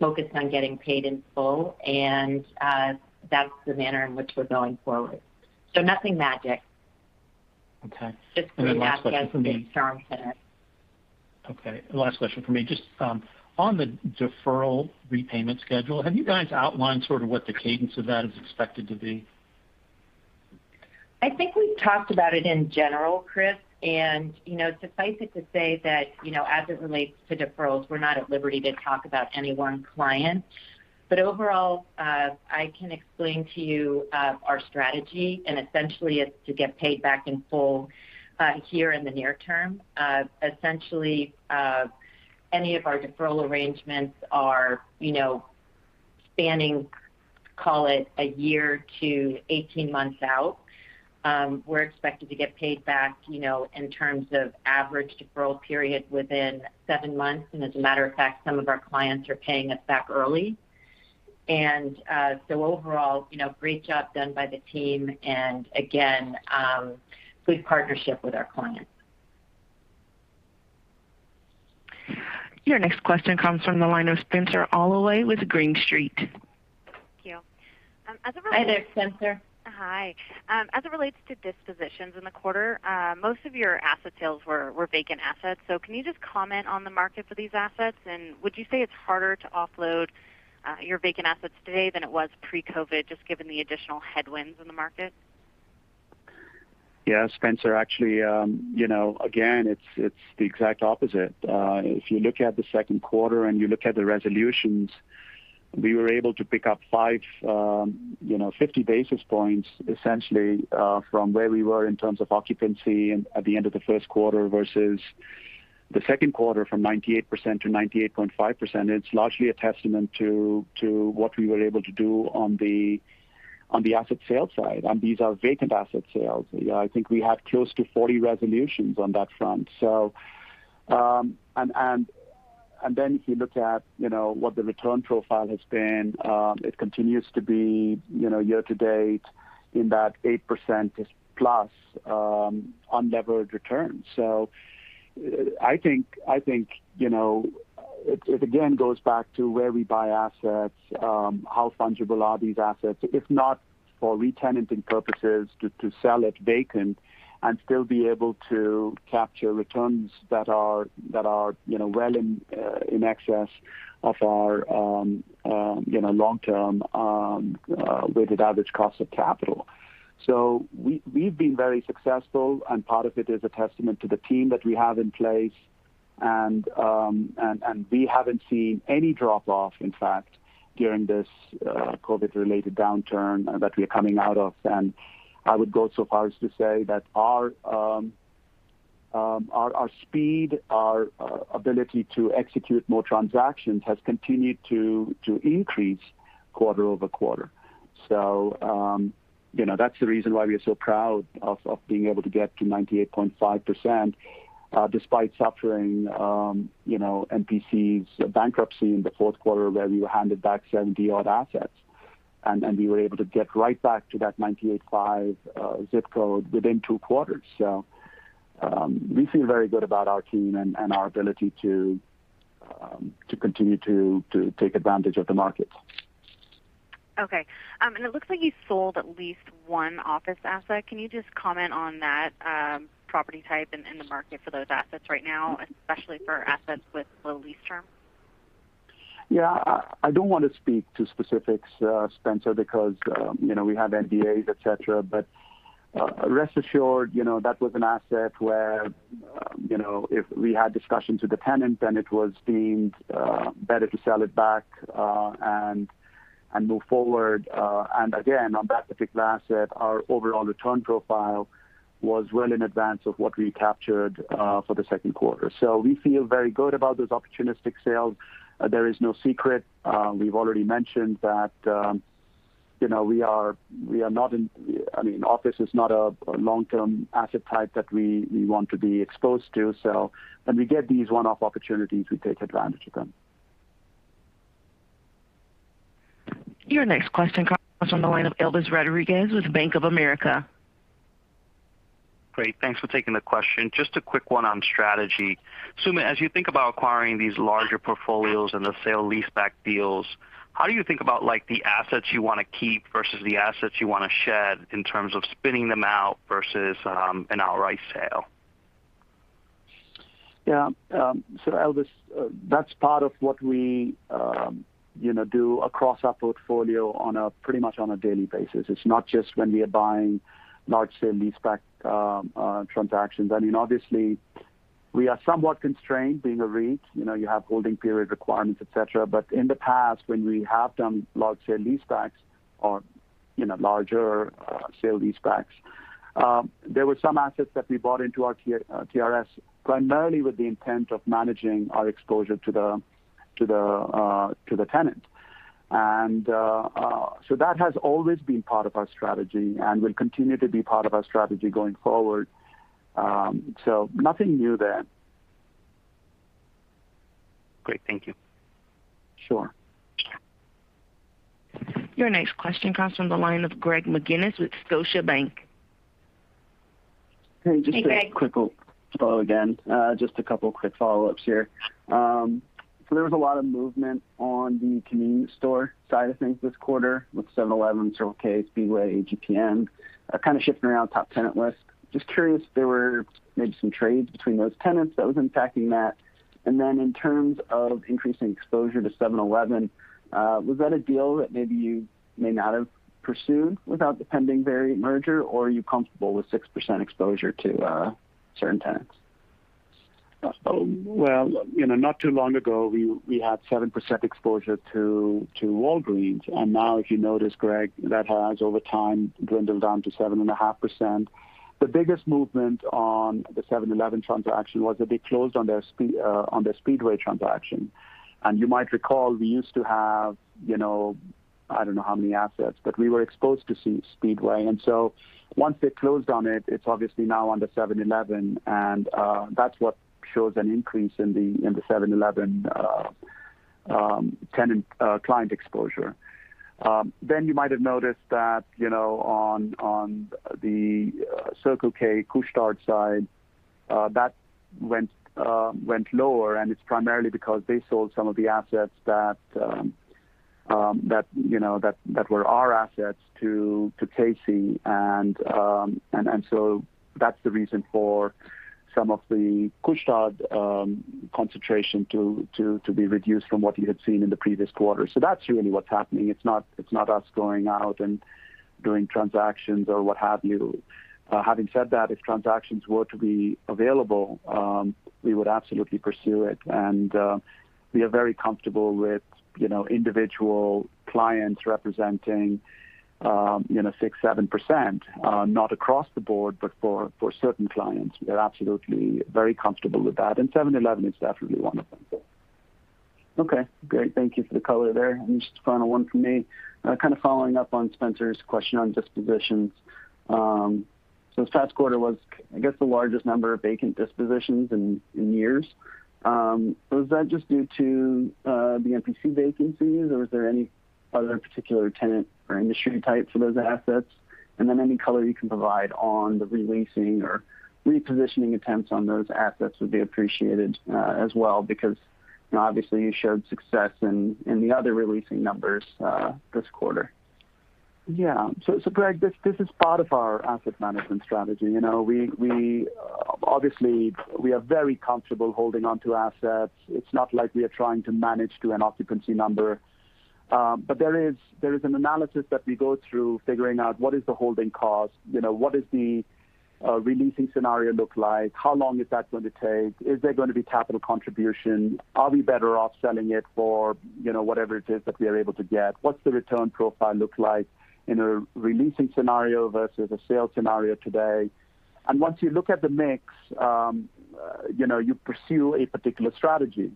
focused on getting paid in full, and that's the manner in which we're going forward. Nothing magic. Okay. Last question for me. Just the math as it stands today. Last question for me. Just on the deferral repayment schedule, have you guys outlined sort of what the cadence of that is expected to be? I think we've talked about it in general, Chris, and suffice it to say that as it relates to deferrals, we're not at liberty to talk about any one client. Overall, I can explain to you our strategy, and essentially it's to get paid back in full here in the near term. Essentially, any of our deferral arrangements are spanning, call it a year to 18 months out. We're expected to get paid back in terms of average deferral period within seven months, and as a matter of fact, some of our clients are paying us back early. Overall great job done by the team, and again good partnership with our clients. Your next question comes from the line of Spenser Allaway with Green Street. Thank you. As it relates- Hi there, Spenser. Hi. As it relates to dispositions in the quarter, most of your asset sales were vacant assets. Can you just comment on the market for these assets? Would you say it's harder to offload your vacant assets today than it was pre-COVID, just given the additional headwinds in the market? Spenser, actually, again, it's the exact opposite. If you look at the second quarter and you look at the resolutions, we were able to pick up 50 basis points essentially, from where we were in terms of occupancy at the end of the first quarter versus the second quarter, from 98%-98.5%. It's largely a testament to what we were able to do on the asset sales side. These are vacant asset sales. I think we had close to 40 resolutions on that front. If you look at what the return profile has been, it continues to be year-to-date in that 8%+ unlevered returns. I think it again goes back to where we buy assets, how fungible are these assets, if not for re-tenanting purposes, to sell it vacant and still be able to capture returns that are well in excess of our long-term weighted average cost of capital. We've been very successful, and part of it is a testament to the team that we have in place. We haven't seen any drop-off, in fact, during this COVID-related downturn that we are coming out of. I would go so far as to say that our speed, our ability to execute more transactions has continued to increase quarter over quarter. That's the reason why we are so proud of being able to get to 98.5%, despite suffering NPC's bankruptcy in the fourth quarter where we were handed back 70 odd assets. We were able to get right back to that 98.5% zip code within two quarters. We feel very good about our team and our ability to continue to take advantage of the market. Okay. It looks like you sold at least one office asset. Can you just comment on that property type and the market for those assets right now, especially for assets with low lease term? I don't want to speak to specifics, Spenser, because we have NDAs, et cetera. Rest assured, that was an asset where if we had discussions with the tenant and it was deemed better to sell it back, and move forward. Again, on that specific asset, our overall return profile was well in advance of what we captured for the second quarter. We feel very good about those opportunistic sales. There is no secret. We've already mentioned that office is not a long-term asset type that we want to be exposed to. When we get these one-off opportunities, we take advantage of them. Your next question comes from the line of Elvis Rodriguez with Bank of America. Great. Thanks for taking the question. Just a quick one on strategy. Sumit, as you think about acquiring these larger portfolios and the sale-leaseback deals, how do you think about the assets you want to keep versus the assets you want to shed in terms of spinning them out versus an outright sale? Yeah. Elvis, that's part of what we do across our portfolio pretty much on a daily basis. It's not just when we are buying large sale-leaseback transactions. Obviously, we are somewhat constrained being a REIT. You have holding period requirements, et cetera. In the past, when we have done large sale-leasebacks or larger sale-leasebacks, there were some assets that we bought into our TRS primarily with the intent of managing our exposure to the tenant. That has always been part of our strategy and will continue to be part of our strategy going forward. Nothing new there. Great. Thank you. Sure. Your next question comes from the line of Greg McGinniss with Scotiabank. Hey, Just a- Hey, Greg. quick follow again. Just a couple quick follow-ups here. There was a lot of movement on the convenience store side of things this quarter with 7-Eleven, Circle K, Speedway, GPM, kind of shifting around top tenant list. Just curious if there were maybe some trades between those tenants that was impacting that? In terms of increasing exposure to 7-Eleven, was that a deal that maybe you may not have pursued without the pending VEREIT merger, or are you comfortable with 6% exposure to certain tenants? Not too long ago, we had 7% exposure to Walgreens. If you notice, Greg, that has over time dwindled down to 7.5%. The biggest movement on the 7-Eleven transaction was that they closed on their Speedway transaction. You might recall we used to have, I don't know how many assets, but we were exposed to Speedway. Once they closed on it's obviously now under 7-Eleven, and that's what shows an increase in the 7-Eleven tenant client exposure. You might have noticed that on the Circle K Couche-Tard side, that went lower, and it's primarily because they sold some of the assets that were our assets to Casey's. That's the reason for some of the Couche-Tard concentration to be reduced from what you had seen in the previous quarter. That's really what's happening. It's not us going out and doing transactions or what have you. Having said that, if transactions were to be available, we would absolutely pursue it. We are very comfortable with individual clients representing 6%, 7%, not across the board, but for certain clients. We are absolutely very comfortable with that. 7-Eleven is definitely one of them. Thank you for the color there. Just a final one from me, kind of following up on Spenser Allaway's question on dispositions. This past quarter was, I guess, the largest number of vacant dispositions in years. Was that just due to the NPC vacancies, or was there any other particular tenant or industry type for those assets? Any color you can provide on the re-leasing or repositioning attempts on those assets would be appreciated as well because obviously you showed success in the other re-leasing numbers this quarter. Yeah. Greg, this is part of our asset management strategy. Obviously, we are very comfortable holding onto assets. It's not like we are trying to manage to an occupancy number. There is an analysis that we go through figuring out what is the holding cost, what does the re-leasing scenario look like, how long is that going to take? Is there going to be capital contribution? Are we better off selling it for whatever it is that we are able to get? What's the return profile look like in a re-leasing scenario versus a sales scenario today? Once you look at the mix, you pursue a particular strategy.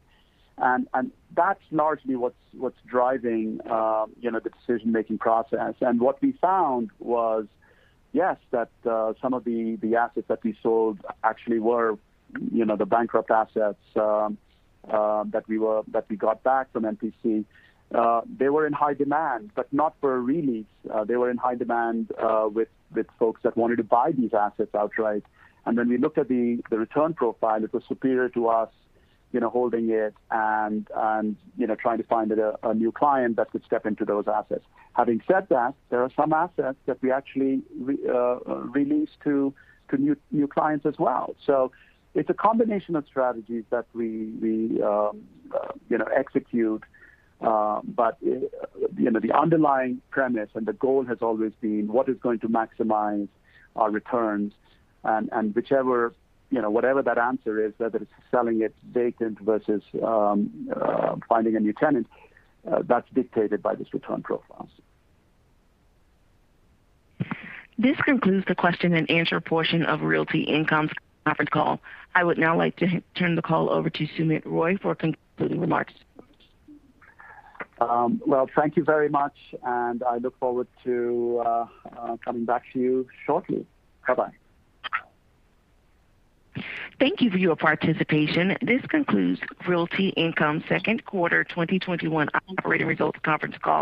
That's largely what's driving the decision-making process. What we found was, yes, that some of the assets that we sold actually were the bankrupt assets that we got back from NPC's. They were in high demand but not for re-lease. They were in high demand with folks that wanted to buy these assets outright. When we looked at the return profile, it was superior to us holding it and trying to find a new client that could step into those assets. Having said that, there are some assets that we actually re-leased to new clients as well. It's a combination of strategies that we execute. The underlying premise and the goal has always been what is going to maximize our returns. Whatever that answer is, whether it's selling it vacant versus finding a new tenant, that's dictated by these return profiles. This concludes the Q&A portion of Realty Income's conference call. I would now like to turn the call over to Sumit Roy for concluding remarks. Well, thank you very much, and I look forward to coming back to you shortly. Bye-bye. Thank you for your participation. This concludes Realty Income second quarter 2021 operating results conference call.